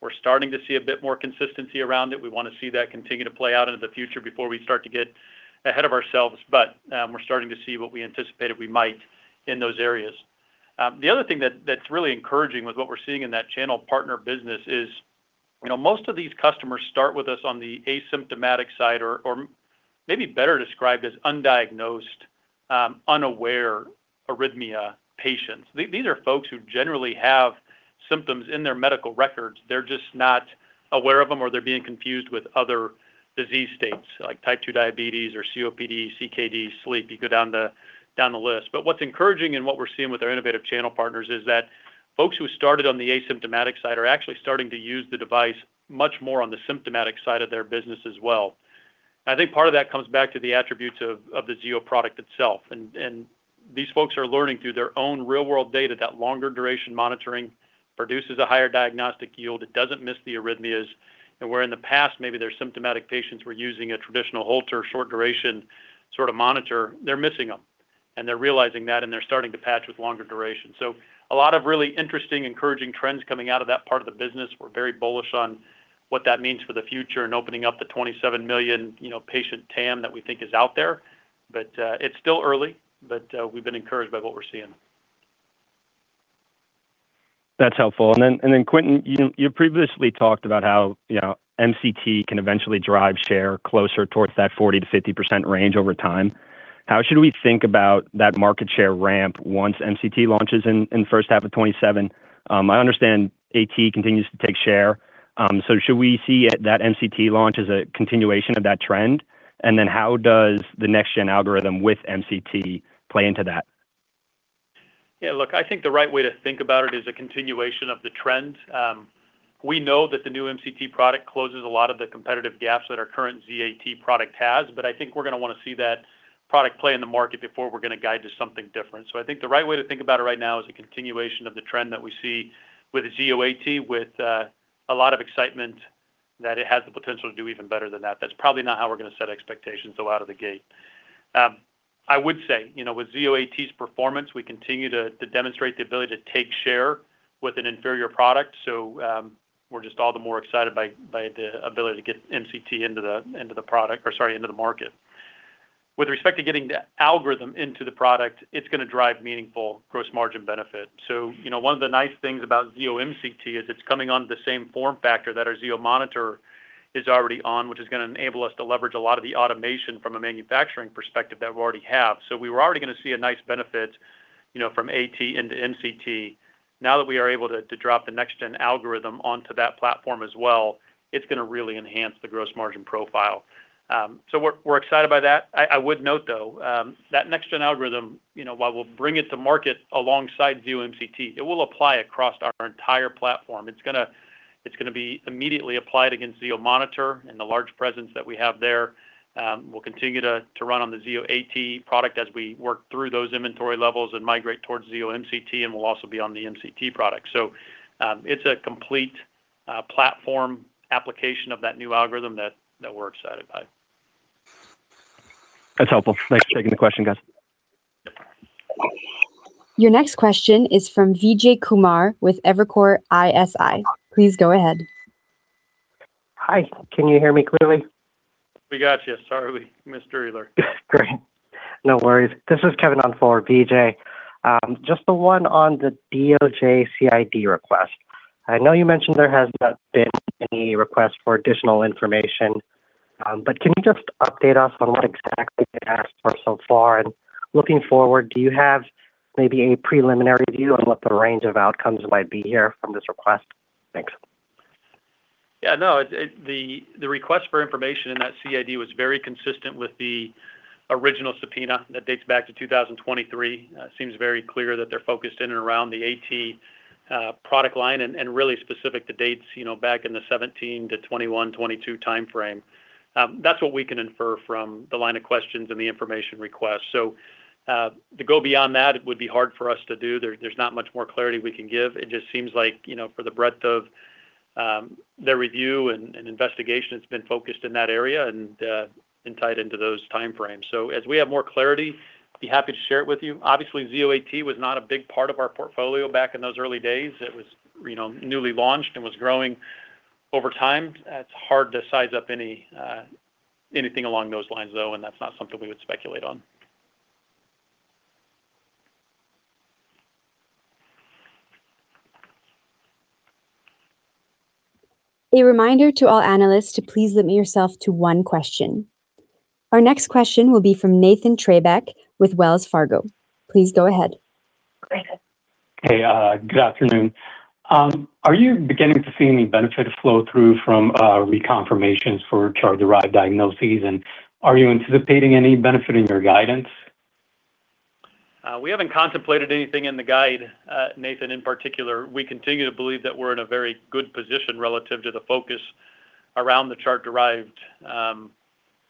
Speaker 3: We're starting to see a bit more consistency around it. We wanna see that continue to play out into the future before we start to get ahead of ourselves. We're starting to see what we anticipated we might in those areas. The other thing that is really encouraging with what we're seeing in that channel partner business is, you know, most of these customers start with us on the asymptomatic side or maybe better described as undiagnosed, unaware arrhythmia patients. These are folks who generally have symptoms in their medical records. They're just not aware of them or they're being confused with other disease states like Type 2 diabetes or COPD, CKD, sleep. You go down the list. What's encouraging and what we're seeing with our innovative channel partners is that folks who started on the asymptomatic side are actually starting to use the device much more on the symptomatic side of their business as well. I think part of that comes back to the attributes of the Zio product itself and these folks are learning through their own real world data that longer duration monitoring produces a higher diagnostic yield. It doesn't miss the arrhythmias. Where in the past maybe their symptomatic patients were using a traditional Holter short duration sort of monitor, they're missing them, and they're realizing that, and they're starting to patch with longer duration. A lot of really interesting encouraging trends coming out of that part of the business. We're very bullish on what that means for the future and opening up the 27 million, you know, patient TAM that we think is out there. It's still early, but we've been encouraged by what we're seeing.
Speaker 7: That's helpful. Then Quentin, you previously talked about how, you know, MCT can eventually drive share closer towards that 40%-50% range over time. How should we think about that market share ramp once MCT launches in first half of 2027? I understand AT continues to take share. Should we see at that MCT launch as a continuation of that trend? How does the next gen algorithm with MCT play into that?
Speaker 3: Yeah, look, I think the right way to think about it is a continuation of the trend. We know that the new MCT product closes a lot of the competitive gaps that our current Zio AT product has, but I think we're gonna wanna see that product play in the market before we're gonna guide to something different. I think the right way to think about it right now is a continuation of the trend that we see with Zio AT with a lot of excitement that it has the potential to do even better than that. That's probably not how we're gonna set expectations though out of the gate. I would say, you know, with Zio AT's performance, we continue to demonstrate the ability to take share with an inferior product. We're just all the more excited by the ability to get MCT into the market. With respect to getting the algorithm into the product, it's gonna drive meaningful gross margin benefit. You know, one of the nice things about Zio MCT is it's coming onto the same form factor that our Zio monitor is already on, which is gonna enable us to leverage a lot of the automation from a manufacturing perspective that we already have. We were already gonna see a nice benefit, you know, from AT into MCT. Now that we are able to drop the next gen algorithm onto that platform as well, it's gonna really enhance the gross margin profile. We're excited by that. I would note though, that next-gen algorithm, you know, while we'll bring it to market alongside Zio MCT, it will apply across our entire platform. It's gonna be immediately applied against Zio monitor and the large presence that we have there. We'll continue to run on the Zio AT product as we work through those inventory levels and migrate towards Zio MCT, and we'll also be on the MCT product. It's a complete platform application of that new algorithm that we're excited by.
Speaker 7: That's helpful. Thanks for taking the question, guys.
Speaker 1: Your next question is from Vijay Kumar with Evercore ISI. Please go ahead.
Speaker 8: Hi, can you hear me clearly?
Speaker 3: We got you. Sorry we missed earlier.
Speaker 8: Great. No worries. This is Kevin on for Vijay. Just the one on the DOJ CID request. I know you mentioned there has not been any request for additional information, can you just update us on what exactly they asked for so far? Looking forward, do you have maybe a preliminary view on what the range of outcomes might be here from this request? Thanks.
Speaker 3: Yeah, no, the request for information in that CID was very consistent with the original subpoena that dates back to 2023. It seems very clear that they're focused in and around the AT product line and really specific to dates, you know, back in the 2017 to 2021, 2022 timeframe. That's what we can infer from the line of questions and the information request. To go beyond that, it would be hard for us to do. There's not much more clarity we can give. It just seems like, you know, for the breadth of their review and investigation, it's been focused in that area and insight into those timeframes. As we have more clarity, be happy to share it with you. Obviously, Zio AT was not a big part of our portfolio back in those early days. It was, you know, newly launched and was growing over time. It's hard to size up any anything along those lines though, and that's not something we would speculate on.
Speaker 1: A reminder to all analysts to please limit yourself to one question. Our next question will be from Nathan Treybeck with Wells Fargo. Please go ahead.
Speaker 3: Go ahead.
Speaker 9: Hey, good afternoon. Are you beginning to see any benefit of flow through from reconfirmations for chart-derived diagnoses? Are you anticipating any benefit in your guidance?
Speaker 3: We haven't contemplated anything in the guide, Nathan, in particular. We continue to believe that we're in a very good position relative to the focus around the chart-derived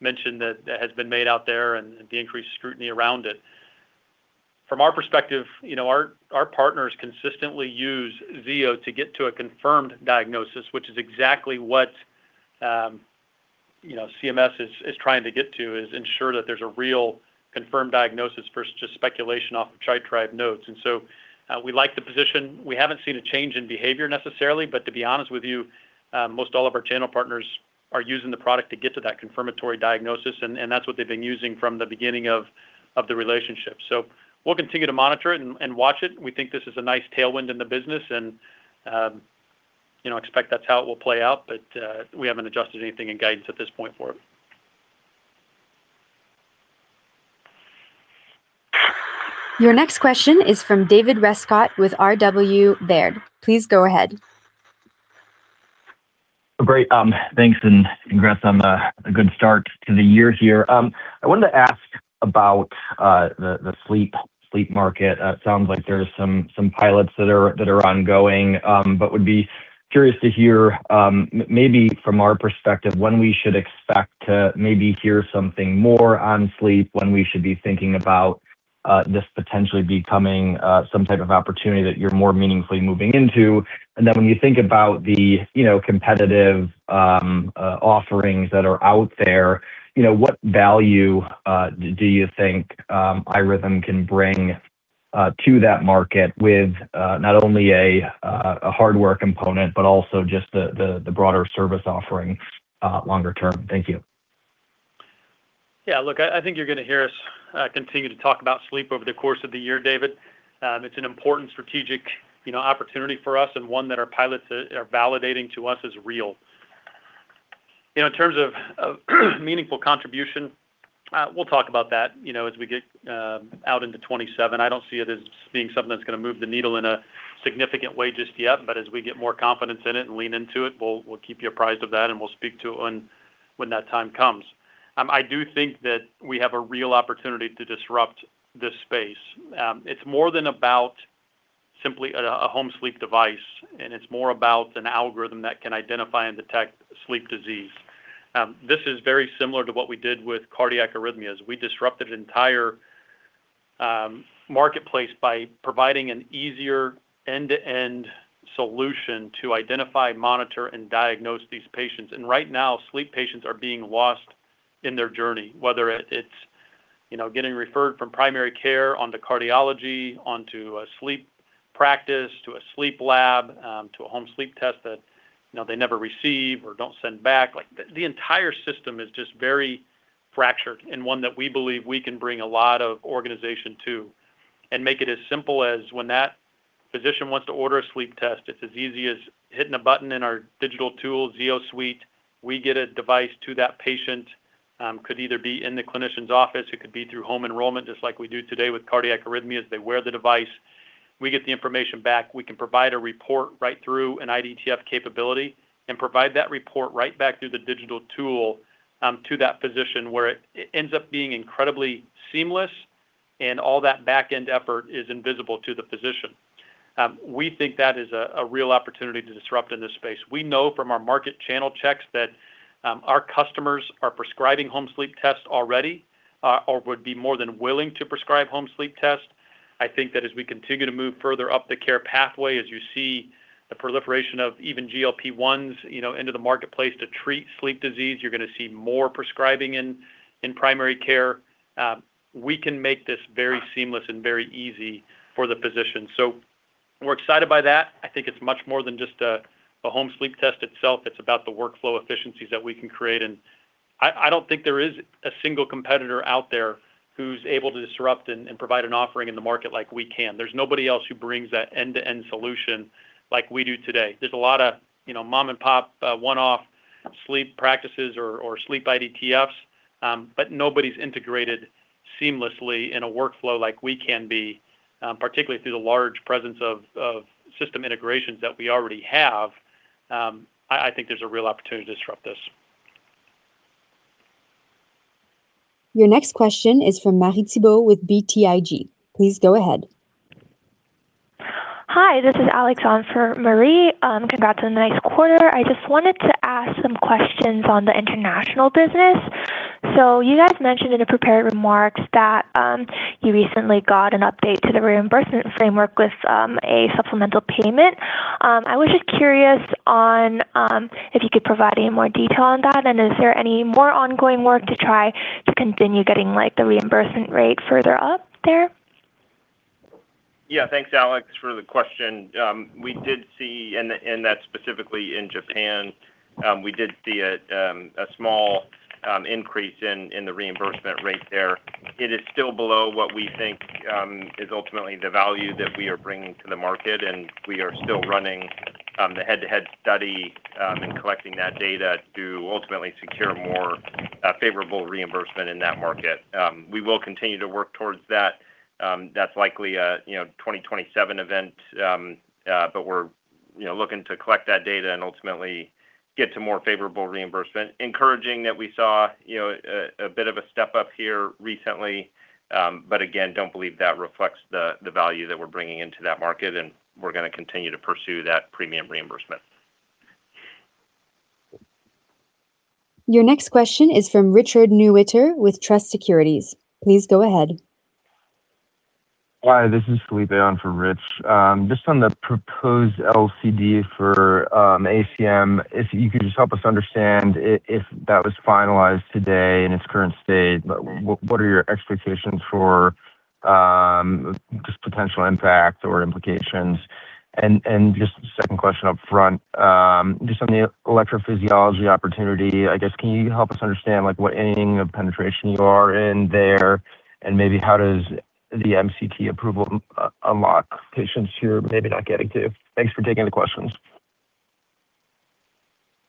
Speaker 3: mention that has been made out there and the increased scrutiny around it. From our perspective, you know, our partners consistently use Zio to get to a confirmed diagnosis, which is exactly what You know, CMS is trying to get to is ensure that there's a real confirmed diagnosis versus just speculation off of Tri-Tribe notes. We like the position. We haven't seen a change in behavior necessarily, but to be honest with you, most all of our channel partners are using the product to get to that confirmatory diagnosis, and that's what they've been using from the beginning of the relationship. We'll continue to monitor it and watch it. We think this is a nice tailwind in the business and, you know, expect that's how it will play out. We haven't adjusted anything in guidance at this point for it.
Speaker 1: Your next question is from David Rescott with RW Baird. Please go ahead.
Speaker 10: Great. Thanks and congrats on a good start to the year here. I wanted to ask about the sleep market. It sounds like there's some pilots that are ongoing, but would be curious to hear maybe from our perspective, when we should expect to maybe hear something more on sleep, when we should be thinking about this potentially becoming some type of opportunity that you're more meaningfully moving into. When you think about the, you know, competitive offerings that are out there, you know, what value do you think iRhythm can bring to that market with not only a hardware component, but also just the broader service offering longer term? Thank you.
Speaker 3: Yeah, look, I think you're gonna hear us continue to talk about sleep over the course of the year, David. It's an important strategic, you know, opportunity for us and one that our pilots are validating to us as real. You know, in terms of meaningful contribution, we'll talk about that, you know, as we get out into 2027. I don't see it as being something that's gonna move the needle in a significant way just yet. As we get more confidence in it and lean into it, we'll keep you apprised of that and we'll speak to it when that time comes. I do think that we have a real opportunity to disrupt this space. It's more than about simply a home sleep device, and it's more about an algorithm that can identify and detect sleep disease. This is very similar to what we did with cardiac arrhythmias. We disrupted an entire marketplace by providing an easier end-to-end solution to identify, monitor, and diagnose these patients. Right now, sleep patients are being lost in their journey, whether it's getting referred from primary care onto cardiology, onto a sleep practice, to a sleep lab, to a home sleep test that they never receive or don't send back. The entire system is just very fractured, and one that we believe we can bring a lot of organization to and make it as simple as when that physician wants to order a sleep test, it's as easy as hitting a button in our digital tool, ZioSuite. We get a device to that patient, could either be in the clinician's office, it could be through home enrollment, just like we do today with cardiac arrhythmias. They wear the device, we get the information back. We can provide a report right through an IDTF capability and provide that report right back through the digital tool, to that physician where it ends up being incredibly seamless and all that back-end effort is invisible to the physician. We think that is a real opportunity to disrupt in this space. We know from our market channel checks that our customers are prescribing home sleep tests already or would be more than willing to prescribe home sleep test. I think that as we continue to move further up the care pathway, as you see the proliferation of even GLP-1s, you know, into the marketplace to treat sleep disease, you're gonna see more prescribing in primary care. We can make this very seamless and very easy for the physician. We're excited by that. I think it's much more than just a home sleep test itself. It's about the workflow efficiencies that we can create. I don't think there is a single competitor out there who's able to disrupt and provide an offering in the market like we can. There's nobody else who brings that end-to-end solution like we do today. There's a lot of, you know, mom-and-pop, one-off sleep practices or sleep IDTFs. Nobody's integrated seamlessly in a workflow like we can be, particularly through the large presence of system integrations that we already have. I think there's a real opportunity to disrupt this.
Speaker 1: Your next question is from Marie Thibault with BTIG. Please go ahead.
Speaker 11: Hi, this is Alex on for Marie. Congrats on a nice quarter. I just wanted to ask some questions on the international business. You guys mentioned in the prepared remarks that you recently got an update to the reimbursement framework with a supplemental payment. I was just curious on if you could provide any more detail on that, and is there any more ongoing work to try to continue getting, like, the reimbursement rate further up there?
Speaker 3: Yeah. Thanks, Alex, for the question. We did see in that specifically in Japan, we did see a small increase in the reimbursement rate there. It is still below what we think is ultimately the value that we are bringing to the market, and we are still running the head-to-head study and collecting that data to ultimately secure more favorable reimbursement in that market. We will continue to work towards that. That's likely a, you know, 2027 event, but we're, you know, looking to collect that data and ultimately get to more favorable reimbursement. Encouraging that we saw, you know, a bit of a step up here recently. Again, don't believe that reflects the value that we're bringing into that market, and we're gonna continue to pursue that premium reimbursement.
Speaker 1: Your next question is from Richard Newitter with Truist Securities. Please go ahead.
Speaker 12: Hi, this is Philippe on for Rich. Just on the proposed LCD for ACM, if you could just help us understand if that was finalized today in its current state, but what are your expectations for just potential impact or implications? Just second question up front, just on the electrophysiology opportunity, I guess can you help us understand like what inning of penetration you are in there, and maybe how does the MCT approval unlock patients who you're maybe not getting to? Thanks for taking the questions.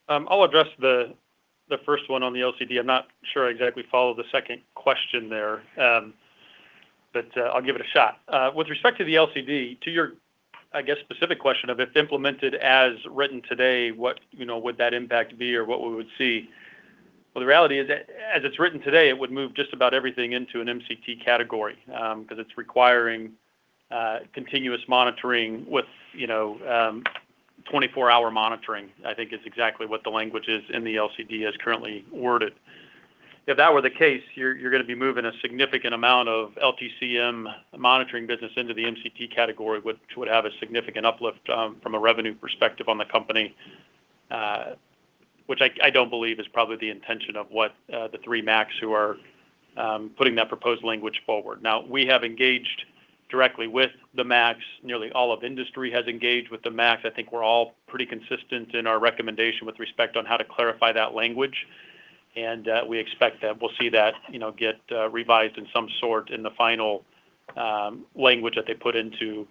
Speaker 3: I'll address the first one on the LCD. I'm not sure I exactly follow the second question there. I'll give it a shot. With respect to the LCD, to your, I guess, specific question of if implemented as written today, what, you know, would that impact be or what would we see? Well, the reality is that as it's written today, it would move just about everything into an MCT category, 'cause it's requiring continuous monitoring with, you know, 24-hour monitoring, I think is exactly what the language is in the LCD as currently worded. If that were the case, you're gonna be moving a significant amount of LTCM monitoring business into the MCT category, which would have a significant uplift from a revenue perspective on the company. Which I don't believe is probably the intention of what the three MACs who are putting that proposed language forward. We have engaged directly with the MACs. Nearly all of industry has engaged with the MACs. I think we're all pretty consistent in our recommendation with respect on how to clarify that language. We expect that we'll see that, you know, get revised in some sort in the final language that they put into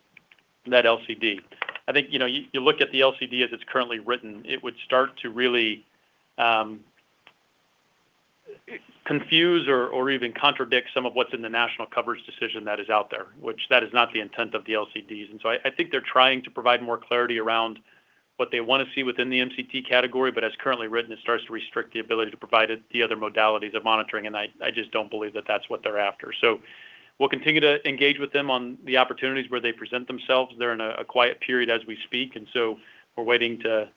Speaker 3: that LCD. I think, you know, you look at the LCD as it's currently written, it would start to really confuse or even contradict some of what's in the national coverage decision that is out there, which that is not the intent of the LCDs. I think they're trying to provide more clarity around what they wanna see within the MCT category, but as currently written, it starts to restrict the ability to provide it the other modalities of monitoring, and I just don't believe that that's what they're after. We'll continue to engage with them on the opportunities where they present themselves. They're in a quiet period as we speak, and so we're waiting to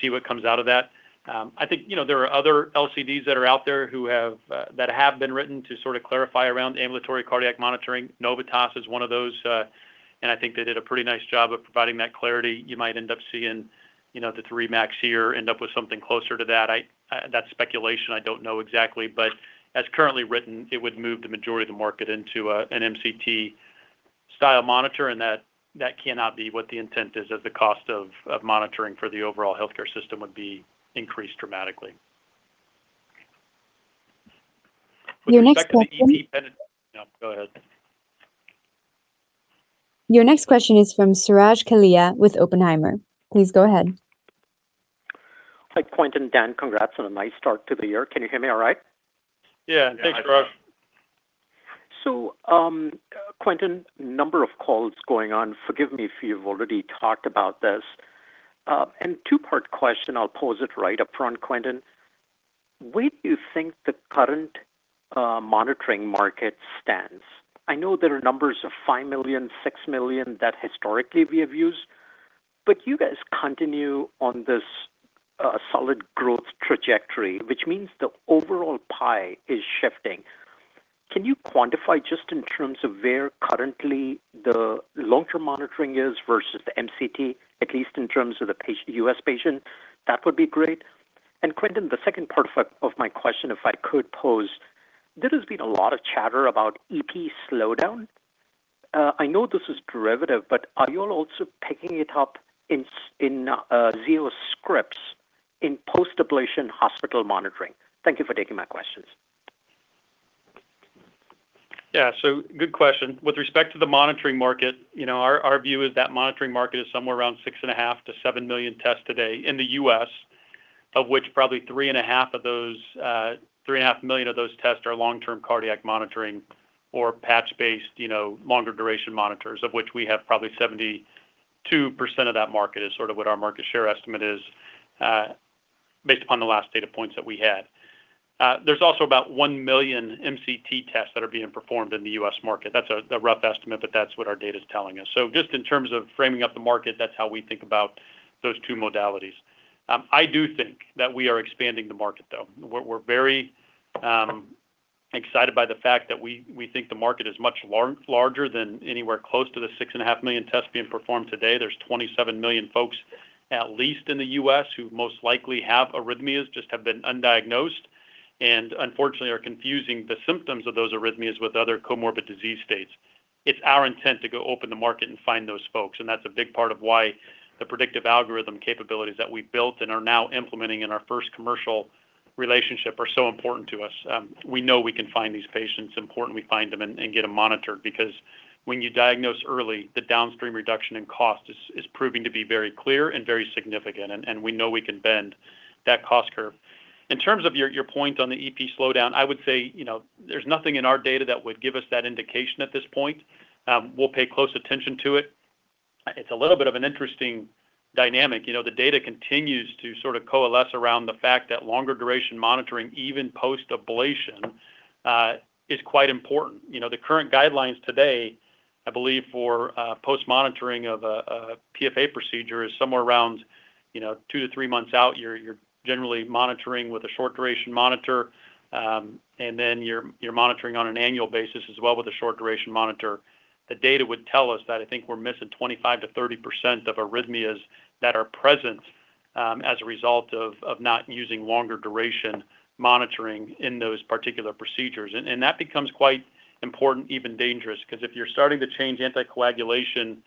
Speaker 3: see what comes out of that. I think, you know, there are other LCDs that are out there who have that have been written to sort of clarify around ambulatory cardiac monitoring. Novitas is one of those, and I think they did a pretty nice job of providing that clarity. You might end up seeing, you know, the three MACs here end up with something closer to that. That's speculation. I don't know exactly. As currently written, it would move the majority of the market into an MCT style monitor, and that cannot be what the intent is as the cost of monitoring for the overall healthcare system would be increased dramatically.
Speaker 1: Your next question.
Speaker 3: With respect to the EP pen. No, go ahead.
Speaker 1: Your next question is from Suraj Kalia with Oppenheimer. Please go ahead.
Speaker 13: Hi, Quentin and Dan. Congrats on a nice start to the year. Can you hear me all right?
Speaker 3: Yeah. Thanks, Suraj.
Speaker 13: Quentin, number of calls going on. Forgive me if you've already talked about this. Two-part question. I'll pose it right up front, Quentin. Where do you think the current monitoring market stands? I know there are numbers of 5 million, 6 million that historically we have used, but you guys continue on this solid growth trajectory, which means the overall pie is shifting. Can you quantify just in terms of where currently the long-term monitoring is versus the MCT, at least in terms of the U.S. patient? That would be great. Quentin, the second part of my question, if I could pose. There has been a lot of chatter about EP slowdown. I know this is derivative, but are you all also picking it up in Zio scripts in post-ablation hospital monitoring? Thank you for taking my questions.
Speaker 3: Yeah. Good question. With respect to the monitoring market, you know, our view is that monitoring market is somewhere around 6.5 million-7 million tests today in the U.S., of which probably 3.5 million of those tests are long-term cardiac monitoring or patch-based, you know, longer duration monitors, of which we have probably 72% of that market is sort of what our market share estimate is, based upon the last data points that we had. There's also about 1 million MCT tests that are being performed in the U.S. market. That's a rough estimate, but that's what our data's telling us. Just in terms of framing up the market, that's how we think about those two modalities. I do think that we are expanding the market, though. We're very excited by the fact that we think the market is much larger than anywhere close to the six and a half million tests being performed today. There's 27 million folks, at least in the U.S., who most likely have arrhythmias, just have been undiagnosed, and unfortunately are confusing the symptoms of those arrhythmias with other comorbid disease states. It's our intent to go open the market and find those folks, that's a big part of why the predictive algorithm capabilities that we've built and are now implementing in our first commercial relationship are so important to us. We know we can find these patients. Important we find them and get them monitored because when you diagnose early, the downstream reduction in cost is proving to be very clear and very significant, and we know we can bend that cost curve. In terms of your point on the EP slowdown, I would say, you know, there's nothing in our data that would give us that indication at this point. We'll pay close attention to it. It's a little bit of an interesting dynamic. You know, the data continues to sort of coalesce around the fact that longer duration monitoring, even post-ablation, is quite important. You know, the current guidelines today, I believe for post-monitoring of a PFA procedure is somewhere around You know, 2-3 months out, you're generally monitoring with a short duration monitor, and then you're monitoring on an annual basis as well with a short duration monitor. The data would tell us that I think we're missing 25%-30% of arrhythmias that are present as a result of not using longer duration monitoring in those particular procedures. That becomes quite important, even dangerous, 'cause if you're starting to change anticoagulation,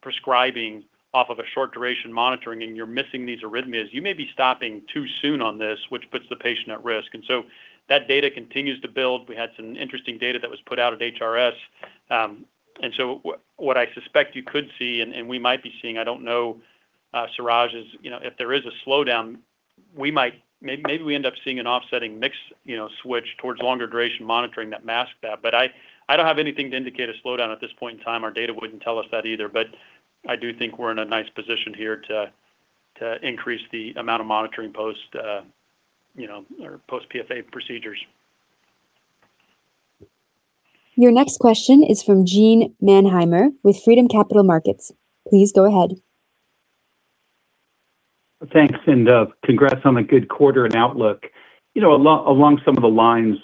Speaker 3: prescribing off of a short duration monitoring and you're missing these arrhythmias, you may be stopping too soon on this, which puts the patient at risk. That data continues to build. We had some interesting data that was put out at HRS. What I suspect you could see, and we might be seeing, I don't know, Suraj, is, you know, if there is a slowdown, maybe we end up seeing an offsetting mix, you know, switch towards longer duration monitoring that masks that. I don't have anything to indicate a slowdown at this point in time. Our data wouldn't tell us that either. I do think we're in a nice position here to increase the amount of monitoring post, you know, or post-PFA procedures.
Speaker 1: Your next question is from Gene Mannheimer with Freedom Capital Markets. Please go ahead.
Speaker 14: Thanks, congrats on a good quarter and outlook. You know, along some of the lines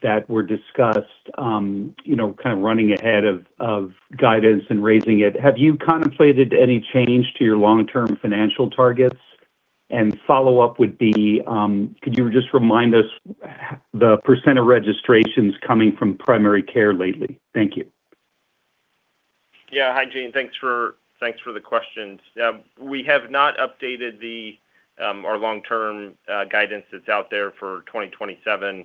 Speaker 14: that were discussed, you know, kind of running ahead of guidance and raising it, have you contemplated any change to your long-term financial targets? Follow-up would be, could you just remind us the percent of registrations coming from primary care lately? Thank you.
Speaker 4: Yeah. Hi, Gene. Thanks for the questions. We have not updated our long-term guidance that's out there for 2027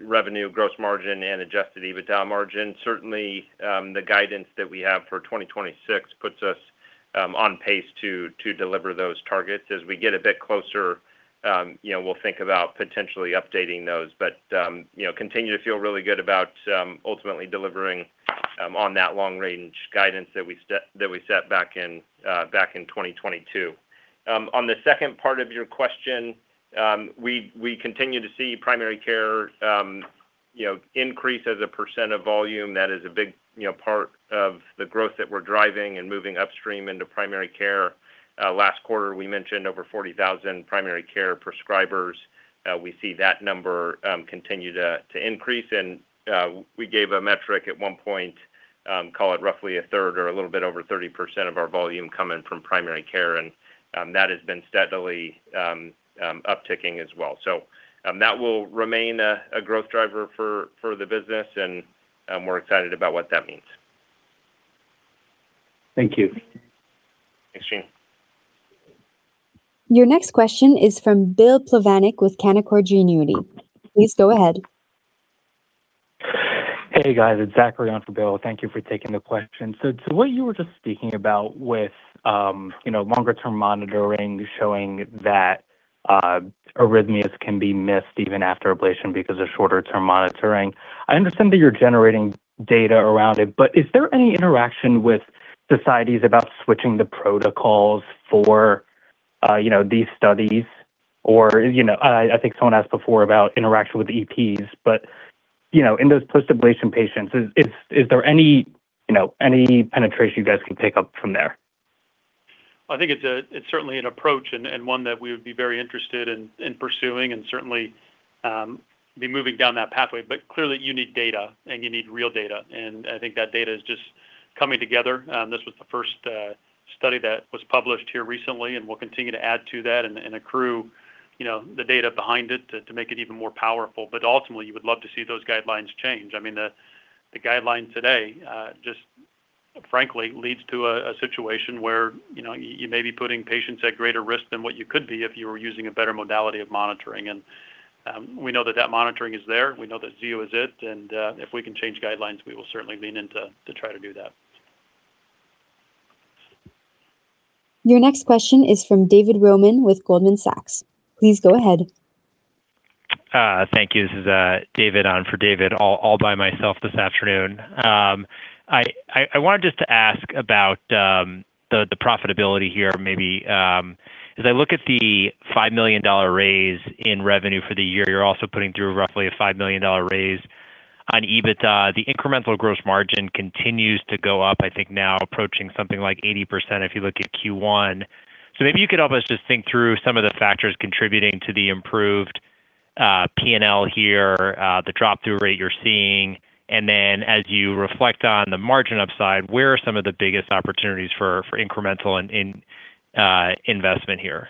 Speaker 4: revenue, gross margin, and Adjusted EBITDA margin. Certainly, the guidance that we have for 2026 puts us on pace to deliver those targets. As we get a bit closer, you know, we'll think about potentially updating those. You know, continue to feel really good about ultimately delivering on that long range guidance that we set back in 2022. On the second part of your question, we continue to see primary care, you know, increase as a % of volume. That is a big, you know, part of the growth that we're driving and moving upstream into primary care. Last quarter, we mentioned over 40,000 primary care prescribers. We see that number continue to increase. We gave a metric at 1 point, call it roughly a third or a little bit over 30% of our volume coming from primary care, and that has been steadily upticking as well. That will remain a growth driver for the business, and we're excited about what that means.
Speaker 14: Thank you.
Speaker 4: Thanks, Gene.
Speaker 1: Your next question is from Bill Plovanic with Canaccord Genuity. Please go ahead.
Speaker 15: Hey, guys. It's Zachery on for Bill. Thank you for taking the question. To what you were just speaking about with, you know, longer term monitoring showing that arrhythmias can be missed even after ablation because of shorter term monitoring, I understand that you're generating data around it, but is there any interaction with societies about switching the protocols for, you know, these studies? You know, I think someone asked before about interaction with EPs, you know, in those post-ablation patients, is there any, you know, any penetration you guys can pick up from there?
Speaker 3: I think it's certainly an approach and one that we would be very interested in pursuing and certainly be moving down that pathway. Clearly you need data, and you need real data, and I think that data is just coming together. This was the first study that was published here recently, and we'll continue to add to that and accrue, you know, the data behind it to make it even more powerful. Ultimately, you would love to see those guidelines change. I mean, the guidelines today just frankly leads to a situation where, you know, you may be putting patients at greater risk than what you could be if you were using a better modality of monitoring. We know that that monitoring is there. We know that Zio is it. If we can change guidelines, we will certainly lean in to try to do that.
Speaker 1: Your next question is from David Roman with Goldman Sachs. Please go ahead.
Speaker 16: Thank you. This is David on for David, all by myself this afternoon. I wanted just to ask about the profitability here maybe. As I look at the $5 million raise in revenue for the year, you're also putting through roughly a $5 million raise on EBITDA. The incremental gross margin continues to go up, I think now approaching something like 80% if you look at Q1. Maybe you could help us just think through some of the factors contributing to the improved P&L here, the drop-through rate you're seeing. Then as you reflect on the margin upside, where are some of the biggest opportunities for incremental investment here?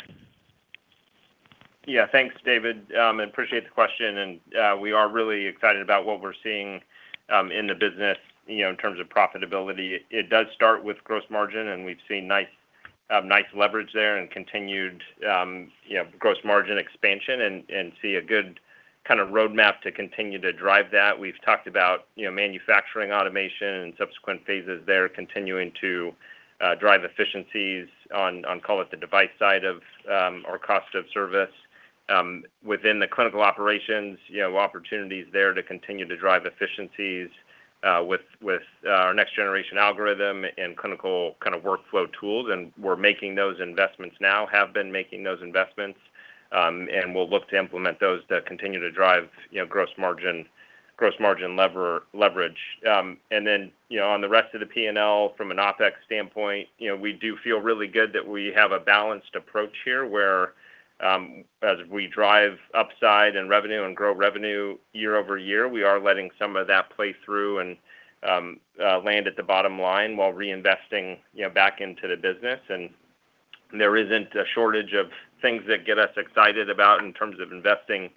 Speaker 4: Yeah. Thanks, David. Appreciate the question. We are really excited about what we're seeing in the business, you know, in terms of profitability. It does start with gross margin, and we've seen nice leverage there and continued, you know, gross margin expansion and see a good kind of roadmap to continue to drive that. We've talked about, you know, manufacturing automation and subsequent phases there continuing to drive efficiencies on call it the device side of our cost of service. Within the clinical operations, you know, opportunities there to continue to drive efficiencies with our next generation algorithm and clinical kind of workflow tools, and we're making those investments now, and we'll look to implement those that continue to drive, you know, gross margin leverage. Then, you know, on the rest of the P&L from an OPEX standpoint, you know, we do feel really good that we have a balanced approach here, where, as we drive upside and revenue and grow revenue year over year, we are letting some of that play through and land at the bottom line while reinvesting, you know, back into the business. There isn't a shortage of things that get us excited about in terms of investing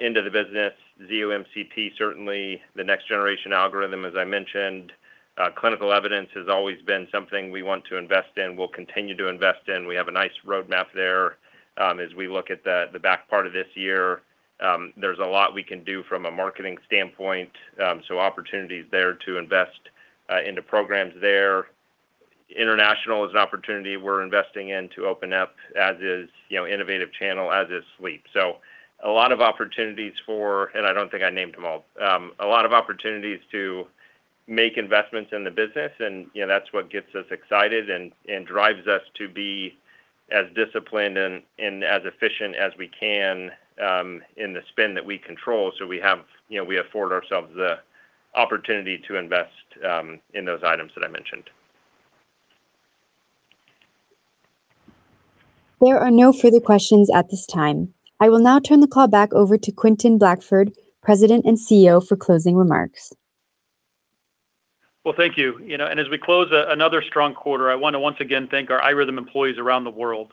Speaker 4: into the business. Zio MCT, certainly the next generation algorithm, as I mentioned. Clinical evidence has always been something we want to invest in. We'll continue to invest in. We have a nice roadmap there, as we look at the back part of this year. There's a lot we can do from a marketing standpoint, opportunities there to invest into programs there. International is an opportunity we're investing in to open up, as is, you know, innovative channel, as is sleep. I don't think I named them all. A lot of opportunities to make investments in the business and, you know, that's what gets us excited and drives us to be as disciplined and as efficient as we can in the spend that we control. You know, we afford ourselves the opportunity to invest in those items that I mentioned.
Speaker 1: There are no further questions at this time. I will now turn the call back over to Quentin Blackford, President and CEO, for closing remarks.
Speaker 3: Well, thank you. You know, as we close another strong quarter, I wanna once again thank our iRhythm employees around the world.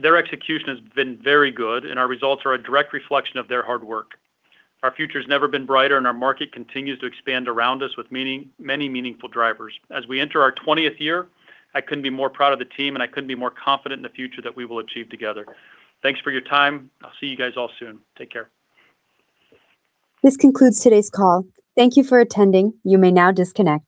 Speaker 3: Their execution has been very good, our results are a direct reflection of their hard work. Our future's never been brighter, our market continues to expand around us with meaning, many meaningful drivers. As we enter our 20th year, I couldn't be more proud of the team, I couldn't be more confident in the future that we will achieve together. Thanks for your time. I'll see you guys all soon. Take care.
Speaker 1: This concludes today's call. Thank you for attending. You may now disconnect.